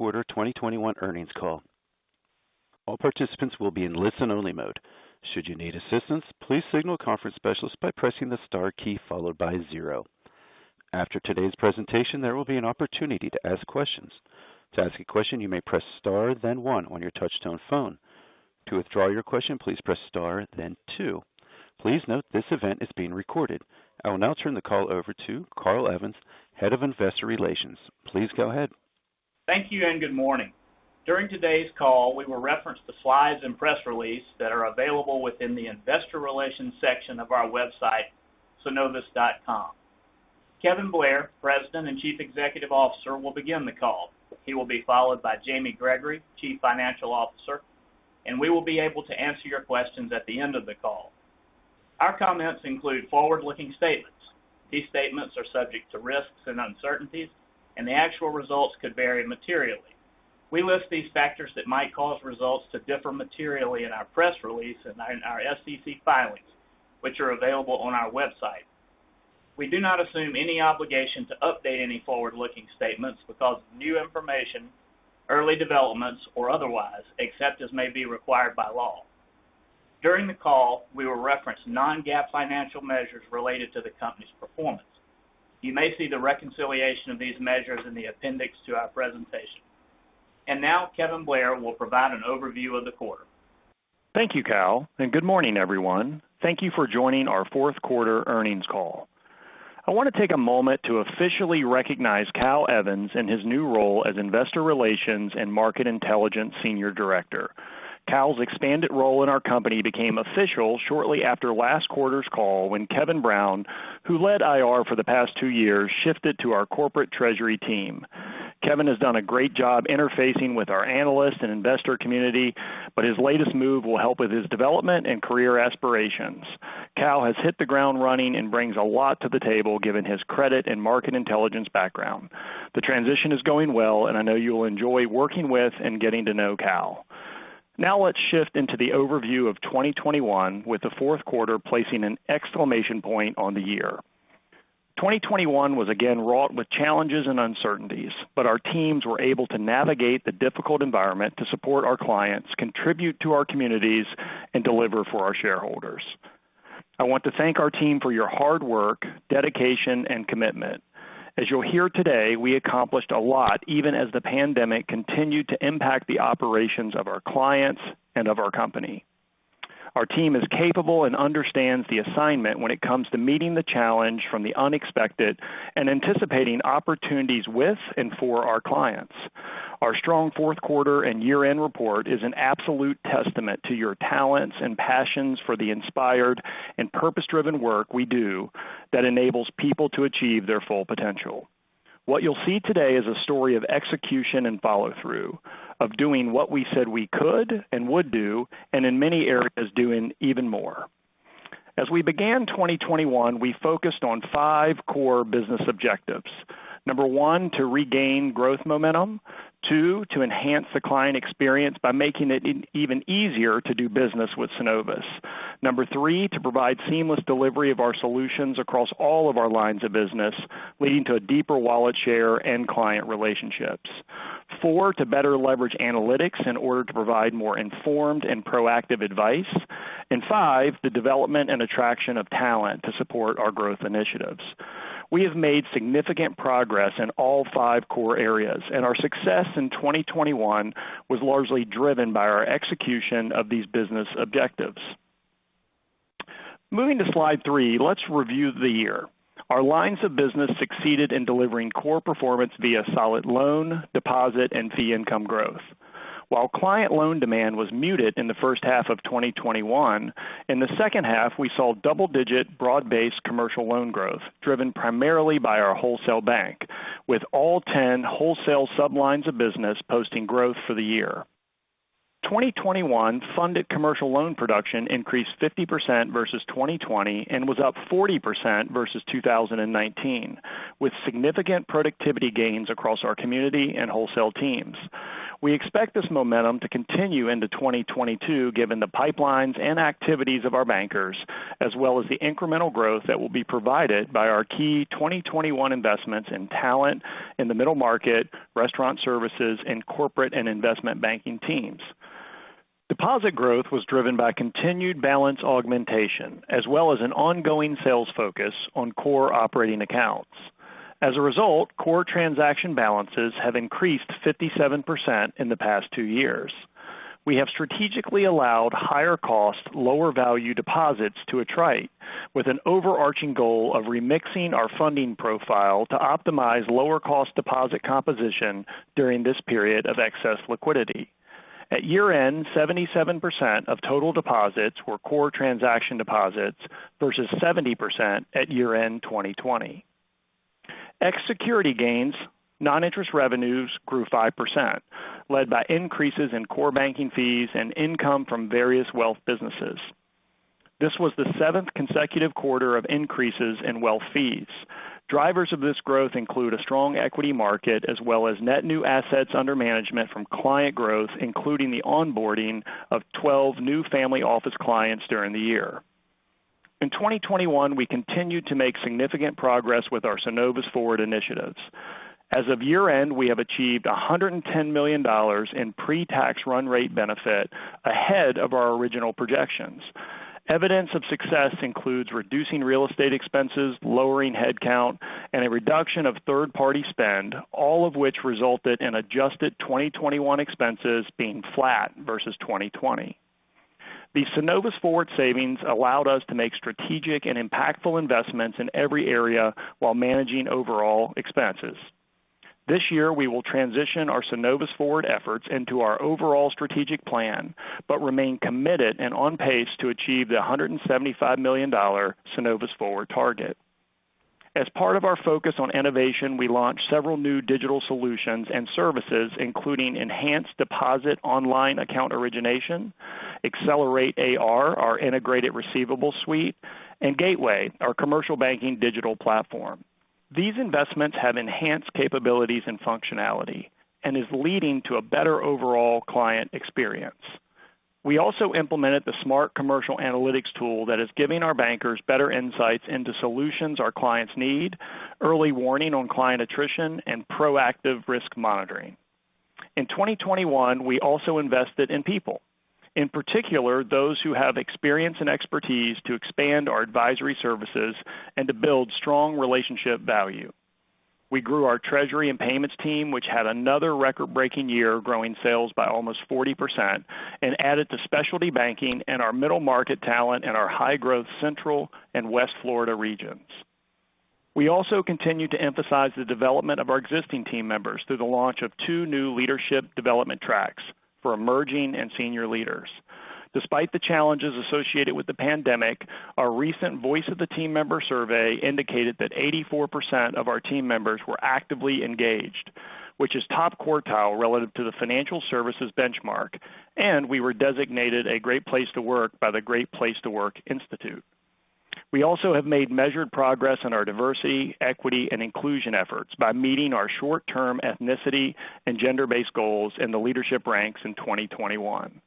Q4 2021 Earnings all. All participants will be in listen-only mode. Should you need assistance, please signal a conference specialist by pressing the star key followed by zero. After today's presentation, there will be an opportunity to ask questions. To ask a question, you may press star then one on your touch-tone phone. To withdraw your question, please press star then two. Please note this event is being recorded. I will now turn the call over to Cal Evans, Head of Investor Relations. Please go ahead. Thank you and good morning. During today's call, we will reference the slides and press release that are available within the Investor Relations section of our website, synovus.com. Kevin Blair, President and Chief Executive Officer, will begin the call. He will be followed by Jamie Gregory, Chief Financial Officer, and we will be able to answer your questions at the end of the call. Our comments include forward-looking statements. These statements are subject to risks and uncertainties, and the actual results could vary materially. We list these factors that might cause results to differ materially in our press release and in our SEC filings, which are available on our website. We do not assume any obligation to update any forward-looking statements because of new information, early developments, or otherwise, except as may be required by law. During the call, we will reference non-GAAP financial measures related to the company's performance. You may see the reconciliation of these measures in the appendix to our presentation. Now Kevin Blair will provide an overview of the quarter. Thank you, Cal, and good morning, everyone. Thank you for joining our Fourth Quarter Earnings Call. I want to take a moment to officially recognize Cal Evans in his new role as Investor Relations and Market Intelligence Senior Director. Cal's expanded role in our company became official shortly after last quarter's call when Kevin Brown, who led IR for the past two years, shifted to our corporate treasury team. Kevin has done a great job interfacing with our analysts and investor community, but his latest move will help with his development and career aspirations. Cal has hit the ground running and brings a lot to the table, given his credit and market intelligence background. The transition is going well, and I know you will enjoy working with and getting to know Cal. Now let's shift into the overview of 2021, with the fourth quarter placing an exclamation point on the year. 2021 was again wrought with challenges and uncertainties, but our teams were able to navigate the difficult environment to support our clients, contribute to our communities, and deliver for our shareholders. I want to thank our team for your hard work, dedication, and commitment. As you'll hear today, we accomplished a lot, even as the pandemic continued to impact the operations of our clients and of our company. Our team is capable and understands the assignment when it comes to meeting the challenge from the unexpected and anticipating opportunities with and for our clients. Our strong fourth quarter and year-end report is an absolute testament to your talents and passions for the inspired and purpose-driven work we do that enables people to achieve their full potential. What you'll see today is a story of execution and follow-through, of doing what we said we could and would do, and in many areas, doing even more. As we began 2021, we focused on five core business objectives. Number 1, to regain growth momentum. 2, to enhance the client experience by making it even easier to do business with Synovus. Number 3, to provide seamless delivery of our solutions across all of our lines of business, leading to a deeper wallet share and client relationships. 4, to better leverage analytics in order to provide more informed and proactive advice. 5, the development and attraction of talent to support our growth initiatives. We have made significant progress in all five core areas, and our success in 2021 was largely driven by our execution of these business objectives. Moving to slide 3, let's review the year. Our lines of business succeeded in delivering core performance via solid loan, deposit, and fee income growth. While client loan demand was muted in the first half of 2021, in the second half, we saw double-digit broad-based commercial loan growth, driven primarily by our wholesale bank, with all 10 wholesale sub-lines of business posting growth for the year. 2021 funded commercial loan production increased 50% versus 2020 and was up 40% versus 2019, with significant productivity gains across our community and wholesale teams. We expect this momentum to continue into 2022, given the pipelines and activities of our bankers, as well as the incremental growth that will be provided by our key 2021 investments in talent in the middle market, restaurant services, and corporate and investment banking teams. Deposit growth was driven by continued balance augmentation as well as an ongoing sales focus on core operating accounts. As a result, core transaction balances have increased 57% in the past two years. We have strategically allowed higher cost, lower value deposits to attrite with an overarching goal of remixing our funding profile to optimize lower cost deposit composition during this period of excess liquidity. At year-end, 77% of total deposits were core transaction deposits versus 70% at year-end 2020. Ex security gains, non-interest revenues grew 5%, led by increases in core banking fees and income from various wealth businesses. This was the seventh consecutive quarter of increases in wealth fees. Drivers of this growth include a strong equity market as well as net new assets under management from client growth, including the onboarding of 12 new family office clients during the year. In 2021, we continued to make significant progress with our Synovus Forward initiatives. As of year-end, we have achieved $110 million in pre-tax run rate benefit ahead of our original projections. Evidence of success includes reducing real estate expenses, lowering headcount, and a reduction of third-party spend, all of which resulted in adjusted 2021 expenses being flat versus 2020. The Synovus Forward savings allowed us to make strategic and impactful investments in every area while managing overall expenses. This year, we will transition our Synovus Forward efforts into our overall strategic plan, but remain committed and on pace to achieve the $175 million Synovus Forward target. As part of our focus on innovation, we launched several new digital solutions and services, including enhanced deposit online account origination, Accelerate AR, our integrated receivable suite, and Gateway, our commercial banking digital platform. These investments have enhanced capabilities and functionality and is leading to a better overall client experience. We also implemented the smart commercial analytics tool that is giving our bankers better insights into solutions our clients need, early warning on client attrition, and proactive risk monitoring. In 2021, we also invested in people, in particular, those who have experience and expertise to expand our advisory services and to build strong relationship value. We grew our treasury and payments team, which had another record-breaking year, growing sales by almost 40% and added to specialty banking and our middle market talent in our high-growth Central and West Florida regions. We also continue to emphasize the development of our existing team members through the launch of 2 new leadership development tracks for emerging and senior leaders. Despite the challenges associated with the pandemic, our recent Voice of the Team Member survey indicated that 84% of our team members were actively engaged, which is top quartile relative to the financial services benchmark, and we were designated a great place to work by the Great Place to Work Institute. We also have made measured progress on our diversity, equity, and inclusion efforts by meeting our short-term ethnicity and gender-based goals in the leadership ranks in 2021.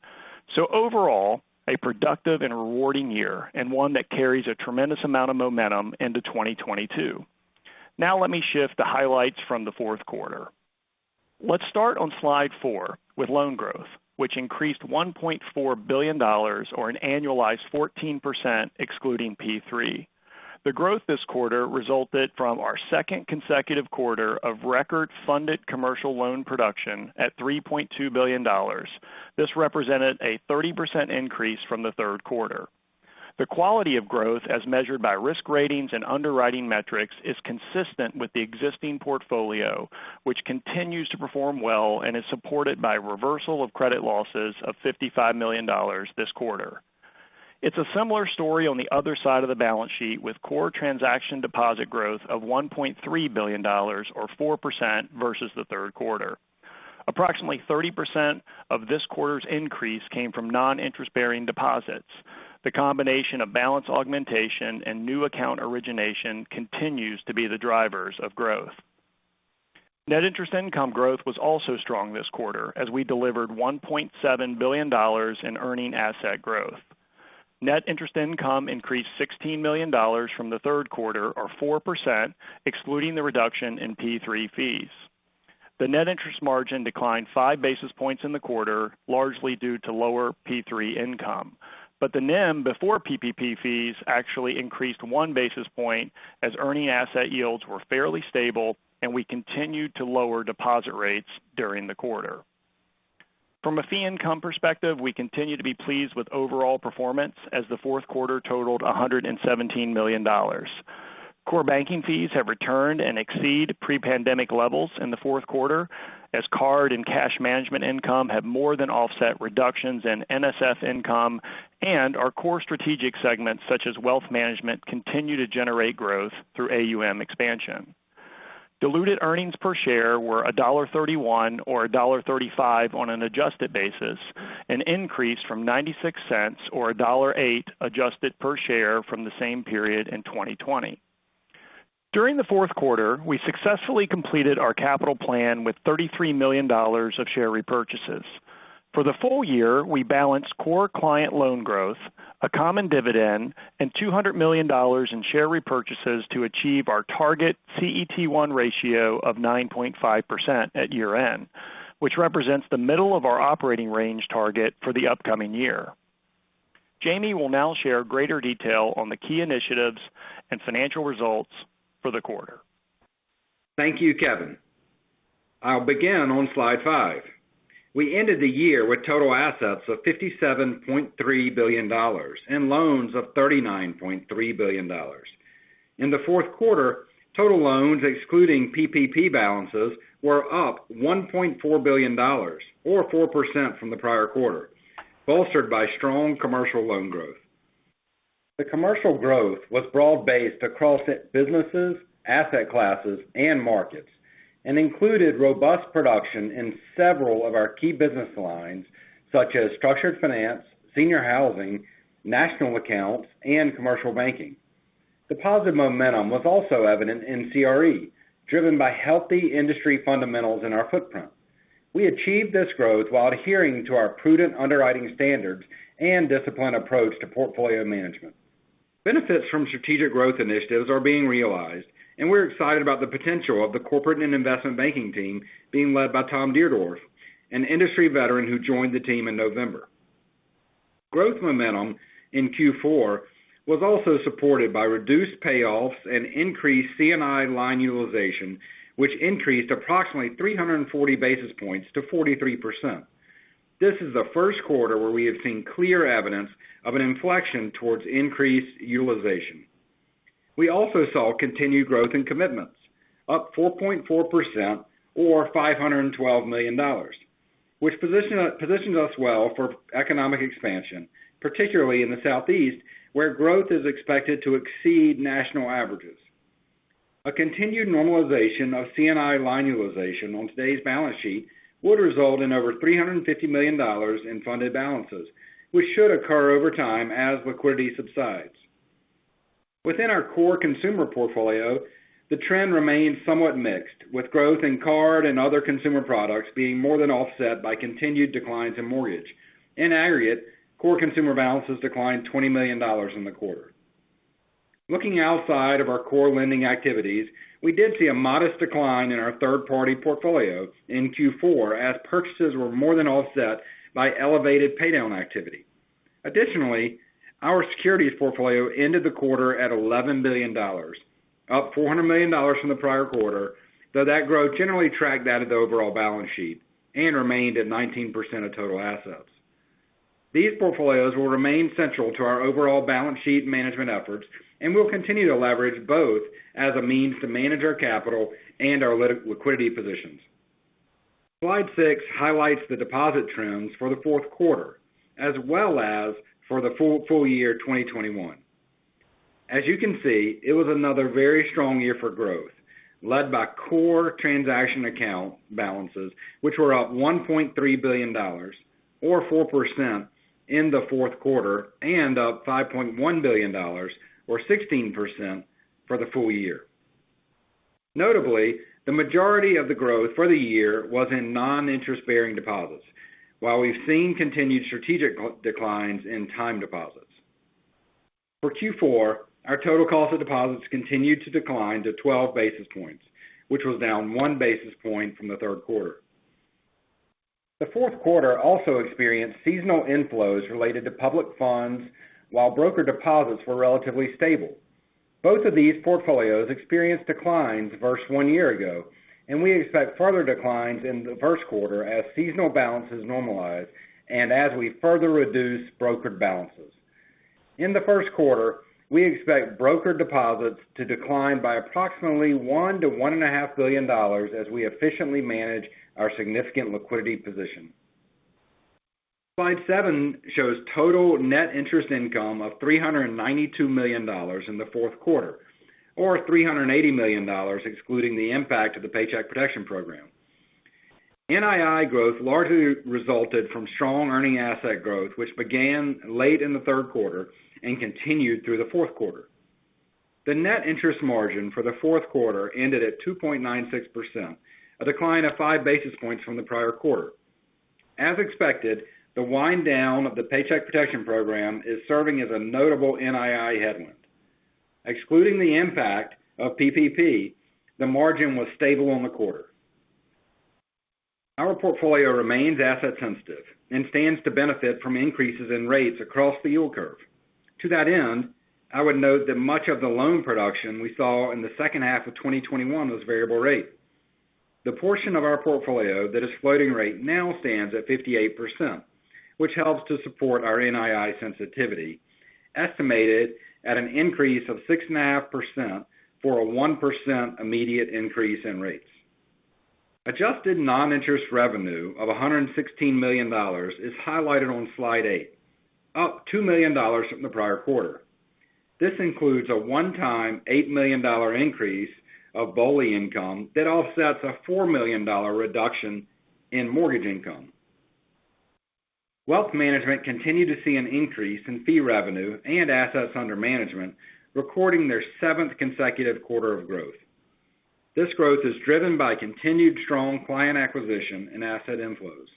Overall, a productive and rewarding year and one that carries a tremendous amount of momentum into 2022. Now, let me shift the highlights from the fourth quarter. Let's start on slide 4 with loan growth, which increased $1.4 billion or an annualized 14% excluding PPP. The growth this quarter resulted from our second consecutive quarter of record funded commercial loan production at $3.2 billion. This represented a 30% increase from the third quarter. The quality of growth as measured by risk ratings and underwriting metrics is consistent with the existing portfolio, which continues to perform well and is supported by reversal of credit losses of $55 million this quarter. It's a similar story on the other side of the balance sheet with core transaction deposit growth of $1.3 billion or 4% versus the third quarter. Approximately 30% of this quarter's increase came from non-interest-bearing deposits. The combination of balance augmentation and new account origination continues to be the drivers of growth. Net interest income growth was also strong this quarter as we delivered $1.7 billion in earning asset growth. Net interest income increased $16 million from the third quarter or 4%, excluding the reduction in PPP fees. The net interest margin declined 5 basis points in the quarter, largely due to lower PPP income. The NIM before PPP fees actually increased 1 basis point as earning asset yields were fairly stable and we continued to lower deposit rates during the quarter. From a fee income perspective, we continue to be pleased with overall performance as the fourth quarter totaled $117 million. Core banking fees have returned and exceed pre-pandemic levels in the fourth quarter as card and cash management income have more than offset reductions in NSF income and our core strategic segments such as wealth management continue to generate growth through AUM expansion. Diluted earnings per share were $1.31 or $1.35 on an adjusted basis, an increase from $0.96 or $1.08 adjusted per share from the same period in 2020. During the fourth quarter, we successfully completed our capital plan with $33 million of share repurchases. For the full year, we balanced core client loan growth, a common dividend, and $200 million in share repurchases to achieve our target CET1 ratio of 9.5% at year-end, which represents the middle of our operating range target for the upcoming year. Jamie will now share greater detail on the key initiatives and financial results for the quarter. Thank you, Kevin. I'll begin on slide 5. We ended the year with total assets of $57.3 billion and loans of $39.3 billion. In the fourth quarter, total loans excluding PPP balances were up $1.4 billion or 4% from the prior quarter, bolstered by strong commercial loan growth. The commercial growth was broad-based across businesses, asset classes, and markets and included robust production in several of our key business lines such as structured finance, senior housing, national accounts, and commercial banking. Deposit momentum was also evident in CRE, driven by healthy industry fundamentals in our footprint. We achieved this growth while adhering to our prudent underwriting standards and disciplined approach to portfolio management. Benefits from strategic growth initiatives are being realized, and we're excited about the potential of the corporate and investment banking team being led by Tom Dierdorff, an industry veteran who joined the team in November. Growth momentum in Q4 was also supported by reduced payoffs and increased C&I line utilization, which increased approximately 340 basis points to 43%. This is the first quarter where we have seen clear evidence of an inflection towards increased utilization. We also saw continued growth in commitments, up 4.4% or $512 million, which positions us well for economic expansion, particularly in the Southeast, where growth is expected to exceed national averages. A continued normalization of C&I line utilization on today's balance sheet would result in over $350 million in funded balances, which should occur over time as liquidity subsides. Within our core consumer portfolio, the trend remains somewhat mixed, with growth in card and other consumer products being more than offset by continued declines in mortgage. In aggregate, core consumer balances declined $20 million in the quarter. Looking outside of our core lending activities, we did see a modest decline in our third-party portfolio in Q4 as purchases were more than offset by elevated paydown activity. Additionally, our securities portfolio ended the quarter at $11 billion, up $400 million from the prior quarter, though that growth generally tracked that of the overall balance sheet and remained at 19% of total assets. These portfolios will remain central to our overall balance sheet management efforts, and we'll continue to leverage both as a means to manage our capital and our liquidity positions. Slide 6 highlights the deposit trends for the fourth quarter as well as for the full year 2021. As you can see, it was another very strong year for growth, led by core transaction account balances, which were up $1.3 billion or 4% in the fourth quarter and up $5.1 billion or 16% for the full year. Notably, the majority of the growth for the year was in non-interest-bearing deposits, while we've seen continued strategic declines in time deposits. For Q4, our total cost of deposits continued to decline to 12 basis points, which was down 1 basis point from the third quarter. The fourth quarter also experienced seasonal inflows related to public funds, while broker deposits were relatively stable. Both of these portfolios experienced declines versus one year ago, and we expect further declines in the first quarter as seasonal balances normalize and as we further reduce brokered balances. In the first quarter, we expect broker deposits to decline by approximately $1 billion-$1.5 billion as we efficiently manage our significant liquidity position. Slide 7 shows total net interest income of $392 million in the fourth quarter, or $380 million excluding the impact of the Paycheck Protection Program. NII growth largely resulted from strong earning asset growth, which began late in the third quarter and continued through the fourth quarter. The net interest margin for the fourth quarter ended at 2.96%, a decline of five basis points from the prior quarter. As expected, the wind down of the Paycheck Protection Program is serving as a notable NII headwind. Excluding the impact of PPP, the margin was stable on the quarter. Our portfolio remains asset sensitive and stands to benefit from increases in rates across the yield curve. To that end, I would note that much of the loan production we saw in the second half of 2021 was variable rate. The portion of our portfolio that is floating rate now stands at 58%, which helps to support our NII sensitivity, estimated at an increase of 6.5% for a 1% immediate increase in rates. Adjusted non-interest revenue of $116 million is highlighted on slide 8, up $2 million from the prior quarter. This includes a one-time $8 million increase of BOLI income that offsets a $4 million reduction in mortgage income. Wealth management continued to see an increase in fee revenue and assets under management, recording their seventh consecutive quarter of growth. This growth is driven by continued strong client acquisition and asset inflows.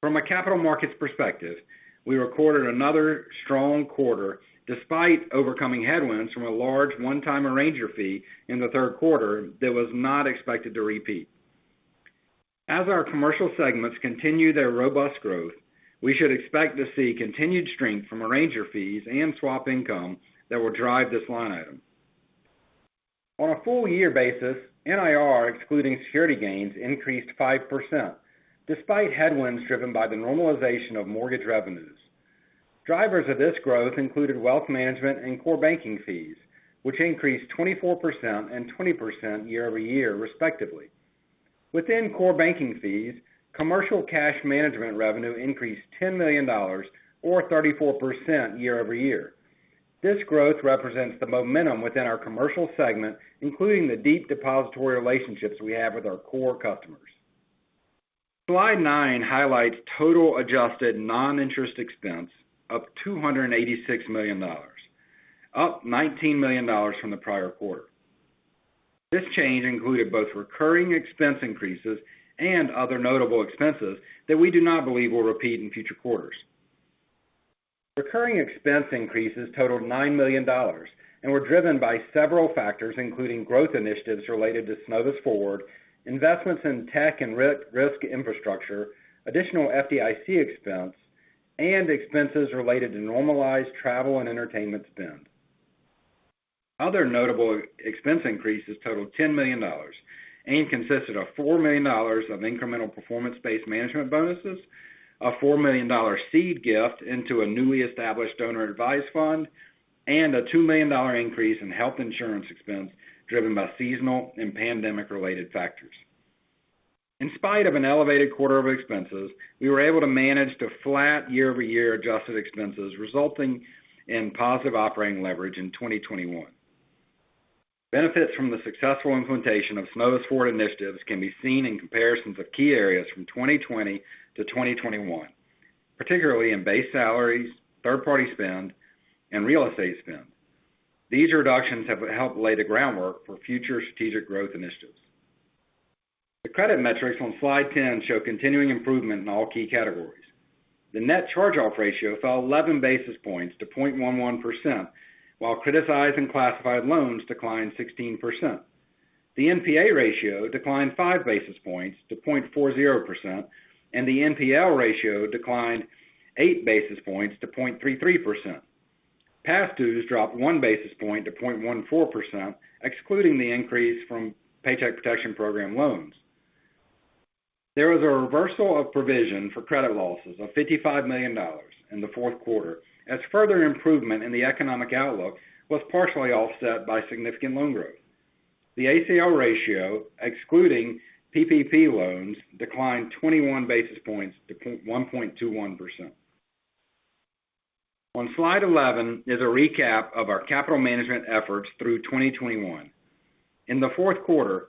From a capital markets perspective, we recorded another strong quarter despite overcoming headwinds from a large one-time arranger fee in the third quarter that was not expected to repeat. As our commercial segments continue their robust growth, we should expect to see continued strength from arranger fees and swap income that will drive this line item. On a full-year basis, NIR, excluding security gains, increased 5% despite headwinds driven by the normalization of mortgage revenues. Drivers of this growth included wealth management and core banking fees, which increased 24% and 20% year-over-year, respectively. Within core banking fees, commercial cash management revenue increased $10 million or 34% year-over-year. This growth represents the momentum within our commercial segment, including the deep depository relationships we have with our core customers. Slide 9 highlights total adjusted non-interest expense of $286 million, up $19 million from the prior quarter. This change included both recurring expense increases and other notable expenses that we do not believe will repeat in future quarters. Recurring expense increases totaled $9 million and were driven by several factors, including growth initiatives related to Synovus Forward, investments in tech and risk infrastructure, additional FDIC expense, and expenses related to normalized travel and entertainment spend. Other notable expense increases totaled $10 million and consisted of $4 million of incremental performance-based management bonuses, a $4 million seed gift into a newly established donor-advised fund, and a $2 million increase in health insurance expense driven by seasonal and pandemic-related factors. In spite of an elevated quarter of expenses, we were able to manage to flat year-over-year adjusted expenses resulting in positive operating leverage in 2021. Benefits from the successful implementation of Synovus Forward initiatives can be seen in comparisons of key areas from 2020 to 2021, particularly in base salaries, third-party spend, and real estate spend. These reductions have helped lay the groundwork for future strategic growth initiatives. The credit metrics on slide 10 show continuing improvement in all key categories. The net charge-off ratio fell 11 basis points to 0.11%, while criticized and classified loans declined 16%. The NPA ratio declined 5 basis points to 0.40%, and the NPL ratio declined 8 basis points to 0.33%. Past dues dropped 1 basis point to 0.14%, excluding the increase from Paycheck Protection Program loans. There was a reversal of provision for credit losses of $55 million in the fourth quarter as further improvement in the economic outlook was partially offset by significant loan growth. The ACL ratio, excluding PPP loans, declined 21 basis points to 1.21%. On slide 11 is a recap of our capital management efforts through 2021. In the fourth quarter,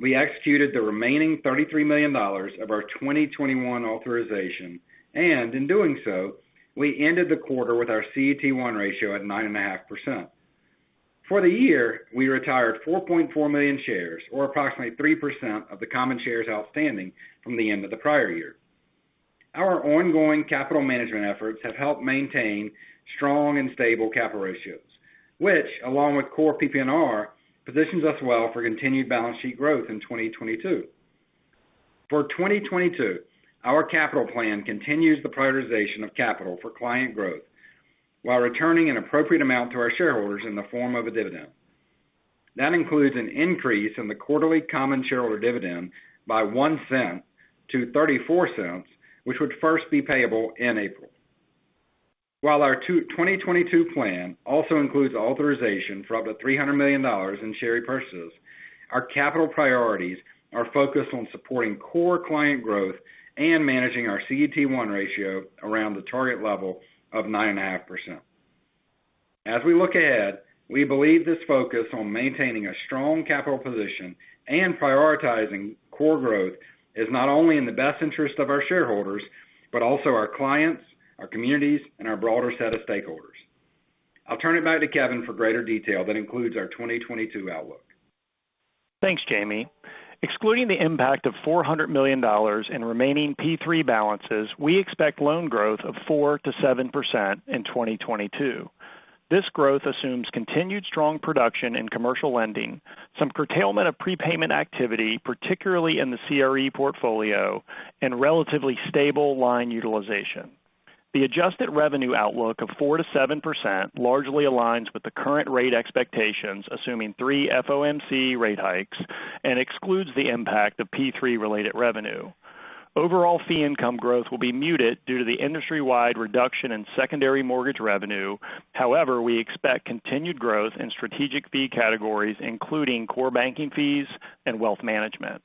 we executed the remaining $33 million of our 2021 authorization, and in doing so, we ended the quarter with our CET1 ratio at 9.5%. For the year, we retired 4.4 million shares or approximately 3% of the common shares outstanding from the end of the prior year. Our ongoing capital management efforts have helped maintain strong and stable capital ratios, which, along with core PPNR, positions us well for continued balance sheet growth in 2022. For 2022, our capital plan continues the prioritization of capital for client growth while returning an appropriate amount to our shareholders in the form of a dividend. That includes an increase in the quarterly common shareholder dividend by $0.01 to $0.34, which would first be payable in April. While our 2022 plan also includes authorization for up to $300 million in share repurchases, our capital priorities are focused on supporting core client growth and managing our CET1 ratio around the target level of 9.5%. As we look ahead, we believe this focus on maintaining a strong capital position and prioritizing core growth is not only in the best interest of our shareholders, but also our clients, our communities, and our broader set of stakeholders. I'll turn it back to Kevin for greater detail that includes our 2022 outlook. Thanks, Jamie. Excluding the impact of $400 million in remaining PPP balances, we expect loan growth of 4%-7% in 2022. This growth assumes continued strong production in commercial lending, some curtailment of prepayment activity, particularly in the CRE portfolio and relatively stable line utilization. The adjusted revenue outlook of 4%-7% largely aligns with the current rate expectations, assuming three FOMC rate hikes and excludes the impact of PPP related revenue. Overall fee income growth will be muted due to the industry-wide reduction in secondary mortgage revenue. However, we expect continued growth in strategic fee categories, including core banking fees and wealth management.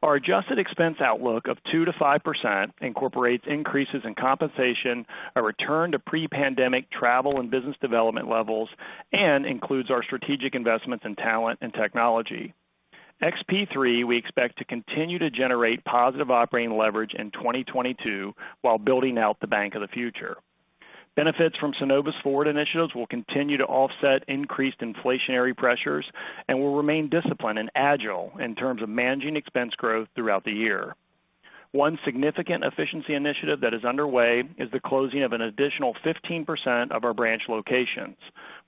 Our adjusted expense outlook of 2%-5% incorporates increases in compensation, a return to pre-pandemic travel and business development levels, and includes our strategic investments in talent and technology. Ex PPP, we expect to continue to generate positive operating leverage in 2022 while building out the bank of the future. Benefits from Synovus Forward initiatives will continue to offset increased inflationary pressures and will remain disciplined and agile in terms of managing expense growth throughout the year. One significant efficiency initiative that is underway is the closing of an additional 15% of our branch locations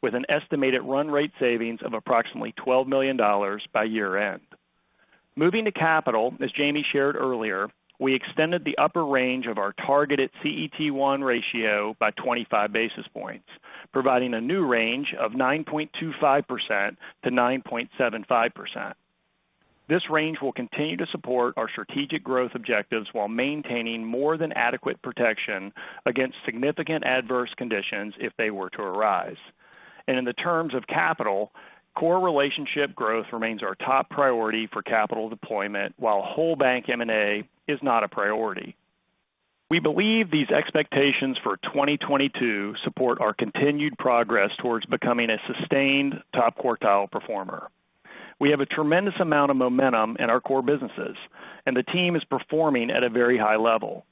with an estimated run rate savings of approximately $12 million by year-end. Moving to capital, as Jamie shared earlier, we extended the upper range of our targeted CET1 ratio by 25 basis points, providing a new range of 9.25%-9.75%. This range will continue to support our strategic growth objectives while maintaining more than adequate protection against significant adverse conditions if they were to arise. In the terms of capital, core relationship growth remains our top priority for capital deployment, while whole bank M&A is not a priority. We believe these expectations for 2022 support our continued progress towards becoming a sustained top quartile performer. We have a tremendous amount of momentum in our core businesses, and the team is performing at a very high level.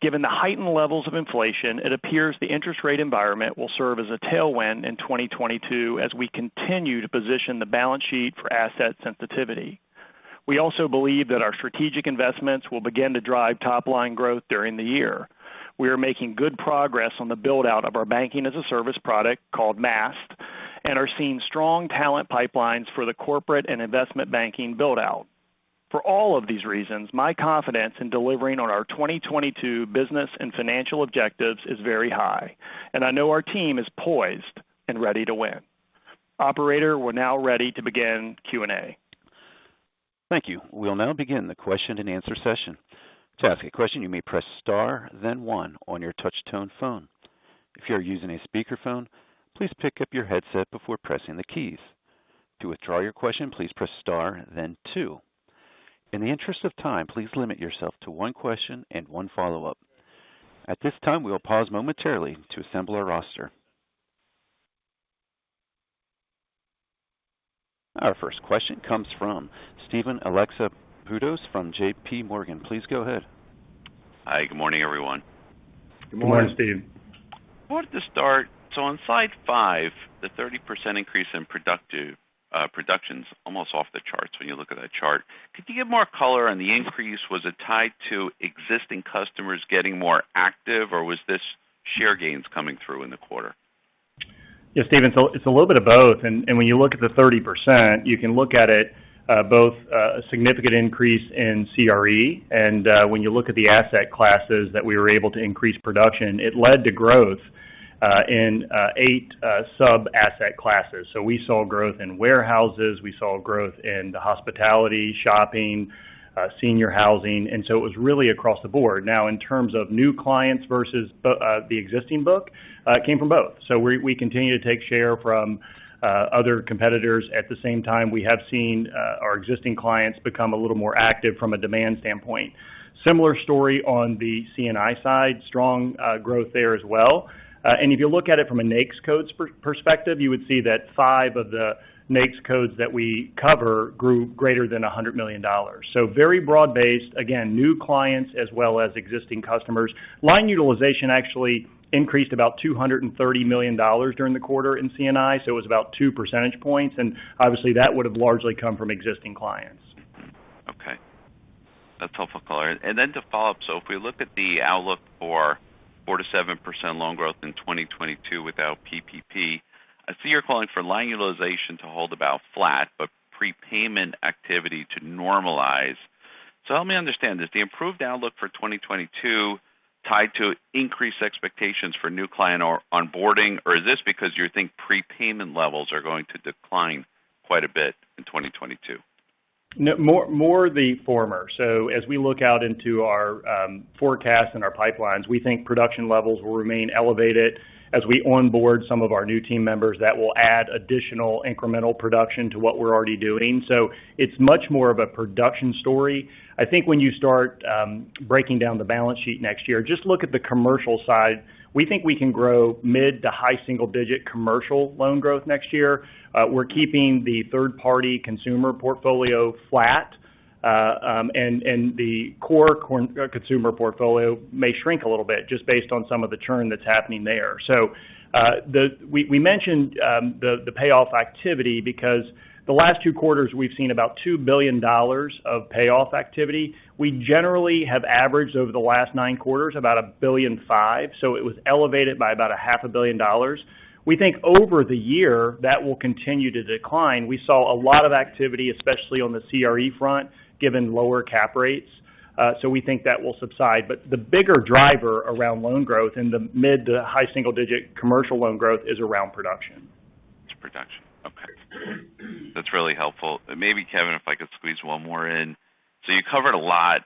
Given the heightened levels of inflation, it appears the interest rate environment will serve as a tailwind in 2022 as we continue to position the balance sheet for asset sensitivity. We also believe that our strategic investments will begin to drive top line growth during the year. We are making good progress on the build out of our banking-as-a-service product called Maast, and are seeing strong talent pipelines for the corporate and investment banking build out. For all of these reasons, my confidence in delivering on our 2022 business and financial objectives is very high, and I know our team is poised and ready to win. Operator, we're now ready to begin Q&A. Thank you. We'll now begin the question-and-answer session. To ask a question, you may press star, then one on your touch tone phone. If you're using a speakerphone, please pick up your headset before pressing the keys. To withdraw your question, please press star then two. In the interest of time, please limit yourself to one question and one follow-up. At this time, we will pause momentarily to assemble our roster. Our first question comes from Steven Alexopoulos from JPMorgan. Please go ahead. Hi, Good morning, everyone. Good morning, Steve. I wanted to start on slide 5, the 30% increase in productive production's almost off the charts when you look at that chart. Could you give more color on the increase? Was it tied to existing customers getting more active, or was this share gains coming through in the quarter? Yeah, Steven, it's a little bit of both. When you look at the 30%, you can look at it both a significant increase in CRE. When you look at the asset classes that we were able to increase production, it led to growth in 8 sub-asset classes. We saw growth in warehouses, we saw growth in the hospitality, shopping, senior housing. It was really across the board. Now in terms of new clients versus the existing book, it came from both. We continue to take share from other competitors. At the same time, we have seen our existing clients become a little more active from a demand standpoint. Similar story on the C&I side, strong growth there as well. If you look at it from a NAICS codes perspective, you would see that five of the NAICS codes that we cover grew greater than $100 million. Very broad-based. Again, new clients as well as existing customers. Line utilization actually increased about $230 million during the quarter in C&I, so it was about two percentage points, and obviously that would've largely come from existing clients. Okay. That's helpful color. To follow up, if we look at the outlook for 4%-7% loan growth in 2022 without PPP, I see you're calling for line utilization to hold about flat, but prepayment activity to normalize. Help me understand this. The improved outlook for 2022 tied to increased expectations for new client onboarding, or is this because you think prepayment levels are going to decline quite a bit in 2022? No, more the former. As we look out into our forecast and our pipelines, we think production levels will remain elevated as we onboard some of our new team members that will add additional incremental production to what we're already doing. It's much more of a production story. I think when you start breaking down the balance sheet next year, just look at the commercial side. We think we can grow mid- to high-single-digit% commercial loan growth next year. We're keeping the third-party consumer portfolio flat. And the core consumer portfolio may shrink a little bit just based on some of the churn that's happening there. We mentioned the payoff activity because the last two quarters we've seen about $2 billion of payoff activity. We generally have averaged over the last nine quarters about $1.5 billion, so it was elevated by about $0.5 billion. We think over the year, that will continue to decline. We saw a lot of activity, especially on the CRE front, given lower cap rates. We think that will subside. The bigger driver around loan growth in the mid- to high-single-digit commercial loan growth is around production. Okay. That's really helpful. Maybe, Kevin, if I could squeeze one more in. You covered a lot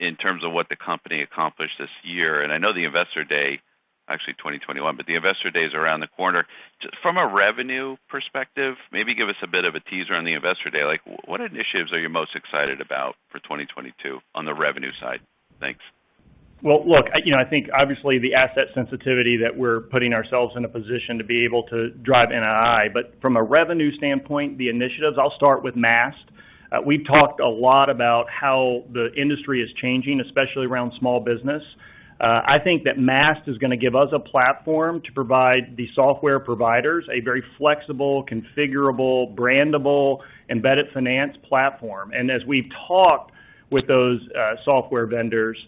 in terms of what the company accomplished this year. I know the Investor Day, actually 2021, but the Investor Day is around the corner. From a revenue perspective, maybe give us a bit of a teaser on the Investor Day. Like what initiatives are you most excited about for 2022 on the revenue side? Thanks. Well, look, you know, I think obviously the asset sensitivity that we're putting ourselves in a position to be able to drive NII. From a revenue standpoint, the initiatives, I'll start with Maast. We've talked a lot about how the industry is changing, especially around small business. I think that Maast is gonna give us a platform to provide the software providers a very flexible, configurable, brandable, embedded finance platform. As we've talked with those, software vendors,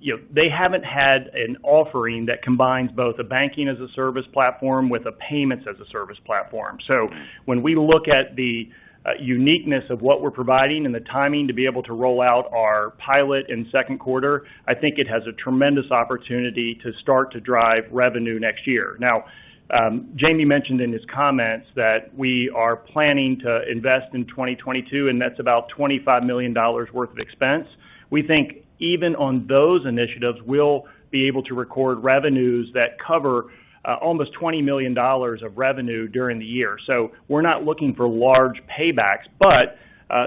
you know, they haven't had an offering that combines both a banking-as-a-service platform with a payments-as-a-service platform. When we look at the uniqueness of what we're providing and the timing to be able to roll out our pilot in second quarter, I think it has a tremendous opportunity to start to drive revenue next year. Now, Jamie mentioned in his comments that we are planning to invest in 2022, and that's about $25 million worth of expense. We think even on those initiatives, we'll be able to record revenues that cover almost $20 million of revenue during the year. We're not looking for large paybacks, but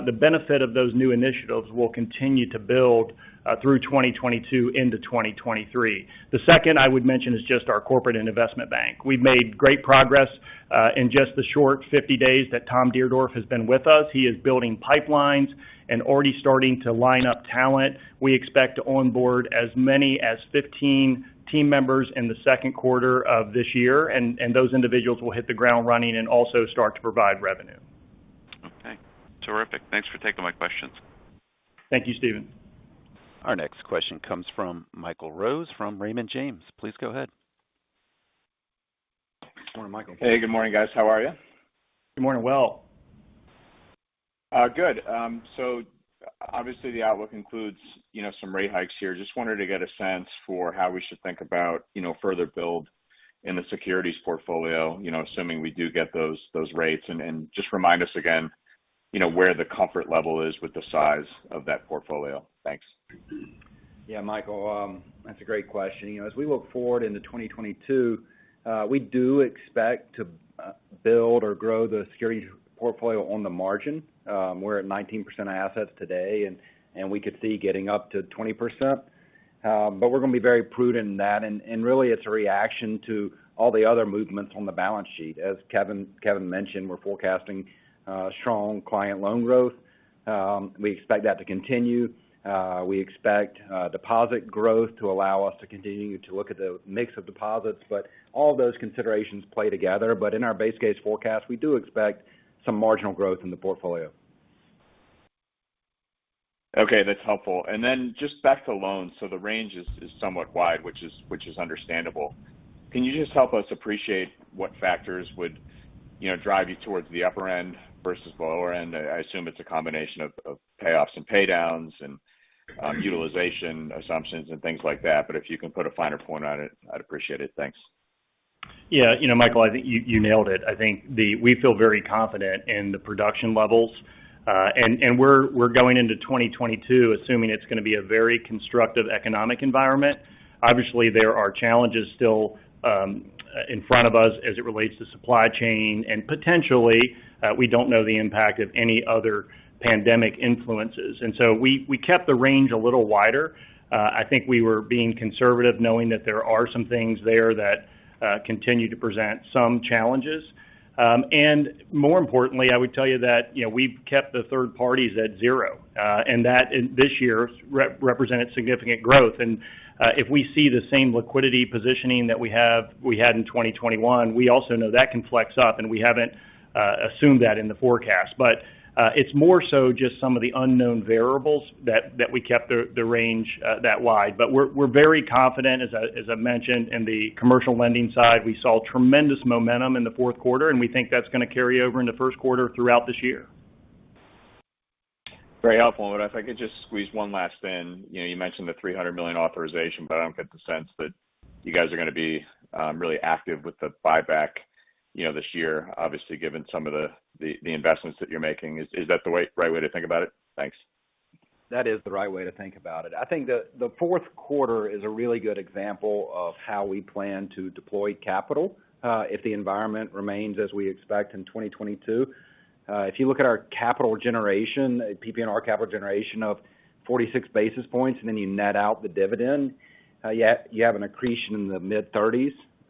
the benefit of those new initiatives will continue to build through 2022 into 2023. The second I would mention is just our corporate and investment bank. We've made great progress in just the short 50 days that Tom Dierdorff has been with us, he is building pipelines and already starting to line up talent. We expect to onboard as many as 15 team members in the second quarter of this year, and those individuals will hit the ground running and also start to provide revenue. Okay. Terrific. Thanks for taking my questions. Thank you, Steven. Our next question comes from Michael Rose from Raymond James. Please go ahead. Good morning, Michael. Hey, good morning, guys. How are you? Good morning. Well. Good. So obviously the outlook includes, you know, some rate hikes here. Just wanted to get a sense for how we should think about, you know, further build in the securities portfolio, you know, assuming we do get those rates. Just remind us again, you know, where the comfort level is with the size of that portfolio. Thanks. Yeah, Michael, that's a great question. You know, as we look forward into 2022, we do expect to build or grow the securities portfolio on the margin. We're at 19% of assets today, and we could see getting up to 20%. But we're gonna be very prudent in that. Really it's a reaction to all the other movements on the balance sheet. As Kevin mentioned, we're forecasting strong client loan growth. We expect that to continue. We expect deposit growth to allow us to continue to look at the mix of deposits, but all those considerations play together. In our base case forecast, we do expect some marginal growth in the portfolio. Okay, that's helpful. Then just back to loans. The range is somewhat wide, which is understandable. Can you just help us appreciate what factors would, you know, drive you towards the upper end versus the lower end? I assume it's a combination of payoffs and pay downs and utilization assumptions and things like that. If you can put a finer point on it, I'd appreciate it. Thanks. Yeah. You know, Michael, I think you nailed it. I think we feel very confident in the production levels. We're going into 2022 assuming it's gonna be a very constructive economic environment. Obviously, there are challenges still in front of us as it relates to supply chain, and potentially we don't know the impact of any other pandemic influences. We kept the range a little wider. I think we were being conservative knowing that there are some things there that continue to present some challenges. More importantly, I would tell you that, you know, we've kept the third parties at zero, and that in this year represented significant growth. If we see the same liquidity positioning that we had in 2021, we also know that can flex up, and we haven't assumed that in the forecast. It's more so just some of the unknown variables that we kept the range that wide. We're very confident, as I mentioned, in the commercial lending side. We saw tremendous momentum in the fourth quarter, and we think that's gonna carry over in the first quarter throughout this year. Very helpful. If I could just squeeze one last thing. You know, you mentioned the $300 million authorization, but I don't get the sense that you guys are gonna be really active with the buyback, you know, this year, obviously, given some of the investments that you're making. Is that the right way to think about it? Thanks. That is the right way to think about it. I think the fourth quarter is a really good example of how we plan to deploy capital, if the environment remains as we expect in 2022. If you look at our capital generation, PPNR capital generation of 46 basis points, and then you net out the dividend, yet you have an accretion in the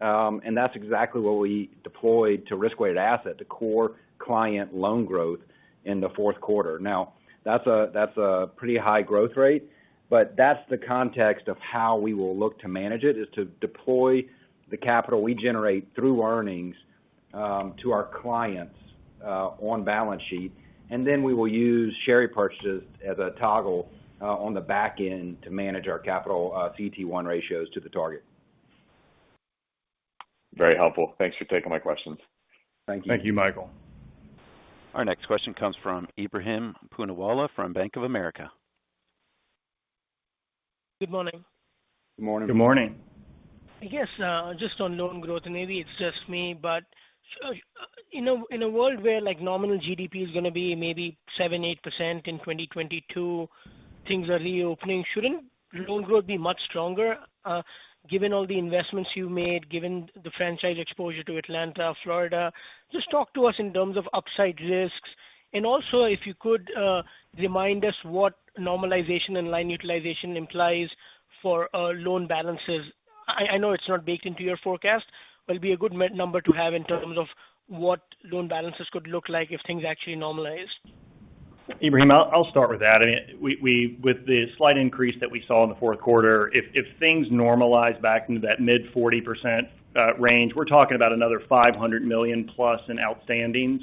mid-30s. That's exactly what we deployed to risk-weighted asset, the core client loan growth in the fourth quarter. Now, that's a pretty high growth rate. That's the context of how we will look to manage it, is to deploy the capital we generate through earnings, to our clients, on balance sheet. We will use share repurchases as a toggle on the back end to manage our capital CET1 ratios to the target. Very helpful. Thanks for taking my questions. Thank you. Thank you, Michael. Our next question comes from Ebrahim Poonawala from Bank of America. Good morning. Good morning. Good morning. I guess just on loan growth, and maybe it's just me, but you know, in a world where like nominal GDP is gonna be maybe 7%-8% in 2022, things are reopening, shouldn't loan growth be much stronger given all the investments you made, given the franchise exposure to Atlanta, Florida? Just talk to us in terms of upside risks. Also, if you could remind us what normalization and line utilization implies for loan balances. I know it's not baked into your forecast, but it'd be a good number to have in terms of what loan balances could look like if things actually normalized. Ebrahim, I'll start with that. I mean, we with the slight increase that we saw in the fourth quarter, if things normalize back into that mid-40% range, we're talking about another $500 million plus in outstandings.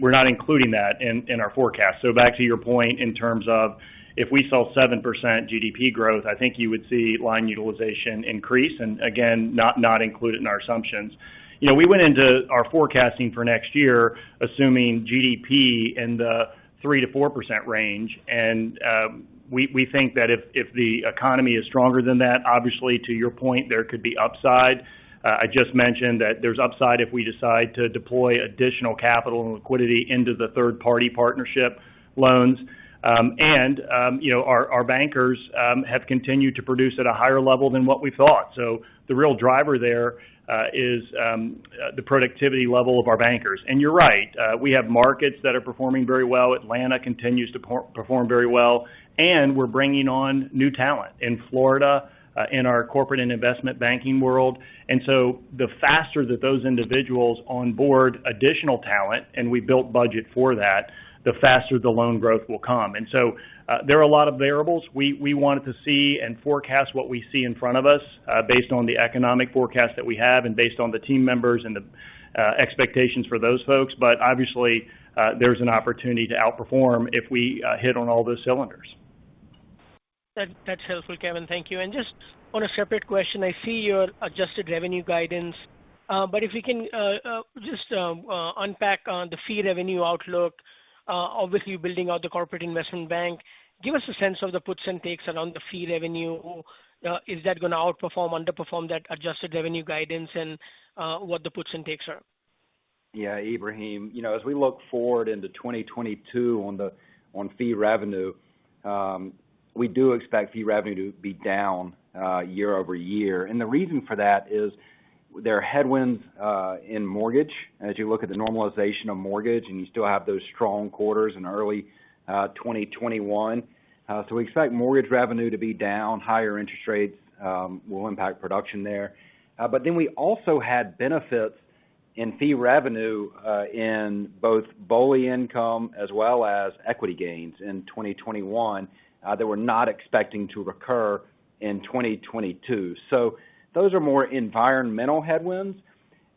We're not including that in our forecast. Back to your point in terms of if we saw 7% GDP growth, I think you would see line utilization increase, and again, not included in our assumptions. You know, we went into our forecasting for next year, assuming GDP in the 3%-4% range. We think that if the economy is stronger than that, obviously to your point, there could be upside. I just mentioned that there's upside if we decide to deploy additional capital and liquidity into the third party partnership loans. You know, our bankers have continued to produce at a higher level than what we thought. The real driver there is the productivity level of our bankers. You're right, we have markets that are performing very well. Atlanta continues to perform very well, and we're bringing on new talent in Florida in our corporate and investment banking world. The faster that those individuals onboard additional talent, and we built budget for that, the faster the loan growth will come. There are a lot of variables. We wanted to see and forecast what we see in front of us, based on the economic forecast that we have and based on the team members and the expectations for those folks. Obviously, there's an opportunity to outperform if we hit on all those cylinders. That's helpful, Kevin. Thank you. Just on a separate question, I see your adjusted revenue guidance. If you can, just, unpack on the fee revenue outlook, obviously building out the corporate investment bank, give us a sense of the puts and takes around the fee revenue. Is that gonna outperform, underperform that adjusted revenue guidance and, what the puts and takes are? Yeah, Ebrahim. You know, as we look forward into 2022 on fee revenue, we do expect fee revenue to be down year-over-year. The reason for that is there are headwinds in mortgage as you look at the normalization of mortgage, and you still have those strong quarters in early 2021. We expect mortgage revenue to be down. Higher interest rates will impact production there. We also had benefits in fee revenue in both BOLI income as well as equity gains in 2021 that we're not expecting to recur in 2022. Those are more environmental headwinds,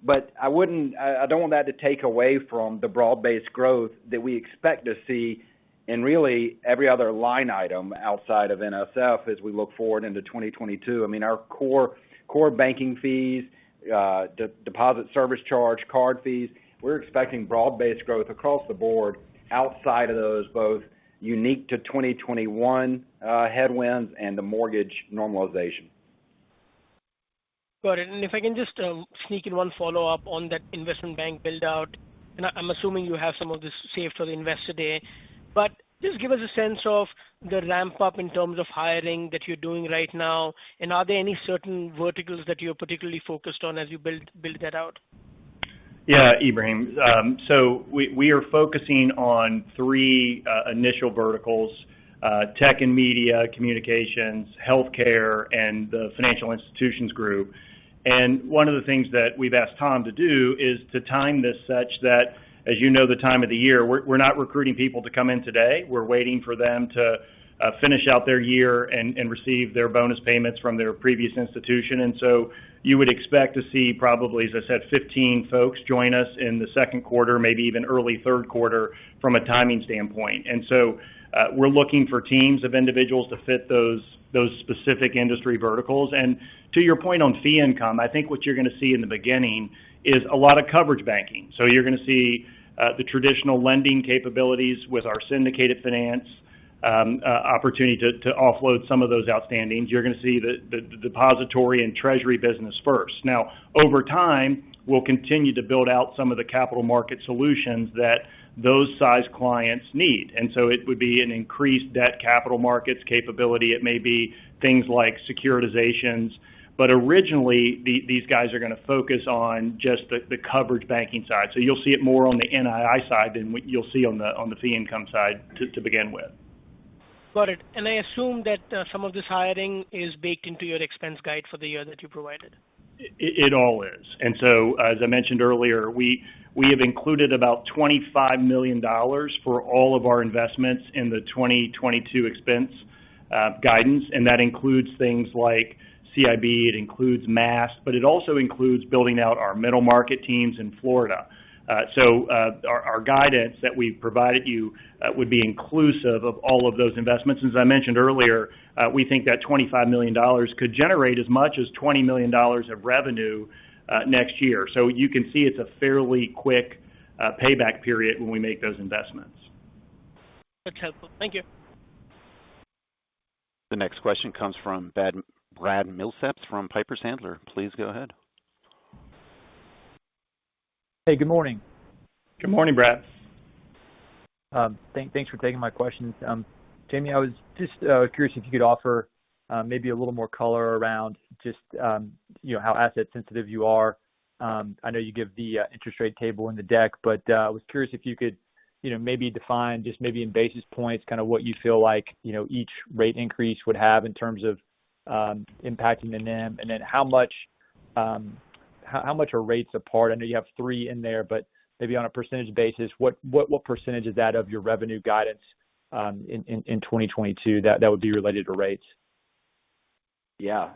but I wouldn't... I don't want that to take away from the broad-based growth that we expect to see in really every other line item outside of NSF as we look forward into 2022. I mean, our core banking fees, deposit service charge, card fees, we're expecting broad-based growth across the board outside of those both unique to 2021 headwinds and the mortgage normalization. Got it. If I can just sneak in one follow-up on that investment bank build-out. I'm assuming you have some of this saved for the Investor Day. Just give us a sense of the ramp-up in terms of hiring that you're doing right now, and are there any certain verticals that you're particularly focused on as you build that out? Yeah, Ebrahim. We are focusing on three initial verticals: tech and media, communications, healthcare, and the financial institutions group. One of the things that we've asked Tom to do is to time this such that, as you know, the time of the year, we're not recruiting people to come in today. We're waiting for them to finish out their year and receive their bonus payments from their previous institution. You would expect to see probably, as I said, 15 folks join us in the second quarter, maybe even early third quarter from a timing standpoint. We're looking for teams of individuals to fit those specific industry verticals. To your point on fee income, I think what you're gonna see in the beginning is a lot of coverage banking. You're gonna see the traditional lending capabilities with our syndicated finance opportunity to offload some of those outstandings. You're gonna see the depository and treasury business first. Now, over time, we'll continue to build out some of the capital market solutions that those size clients need. It would be an increased debt capital markets capability. It may be things like securitizations. Originally, these guys are gonna focus on just the coverage banking side. You'll see it more on the NII side than what you'll see on the fee income side to begin with. Got it. I assume that, some of this hiring is baked into your expense guide for the year that you provided. It all is. As I mentioned earlier, we have included about $25 million for all of our investments in the 2022 expense guidance, and that includes things like CIB, it includes Maast, but it also includes building out our middle market teams in Florida. Our guidance that we provided you would be inclusive of all of those investments. As I mentioned earlier, we think that $25 million could generate as much as $20 million of revenue next year. You can see it's a fairly quick payback period when we make those investments. That's helpful. Thank you. The next question comes from Brad Milsaps from Piper Sandler. Please go ahead. Hey, good morning. Good morning, Brad. Thanks for taking my questions. Jamie, I was just curious if you could offer maybe a little more color around just you know how asset sensitive you are. I know you give the interest rate table in the deck, but I was curious if you could you know maybe define just maybe in basis points kind of what you feel like you know each rate increase would have in terms of impacting the NIM. And then how much are rates apart? I know you have 3 in there, but maybe on a percentage basis, what percentage is that of your revenue guidance in 2022 that would be related to rates? Yeah.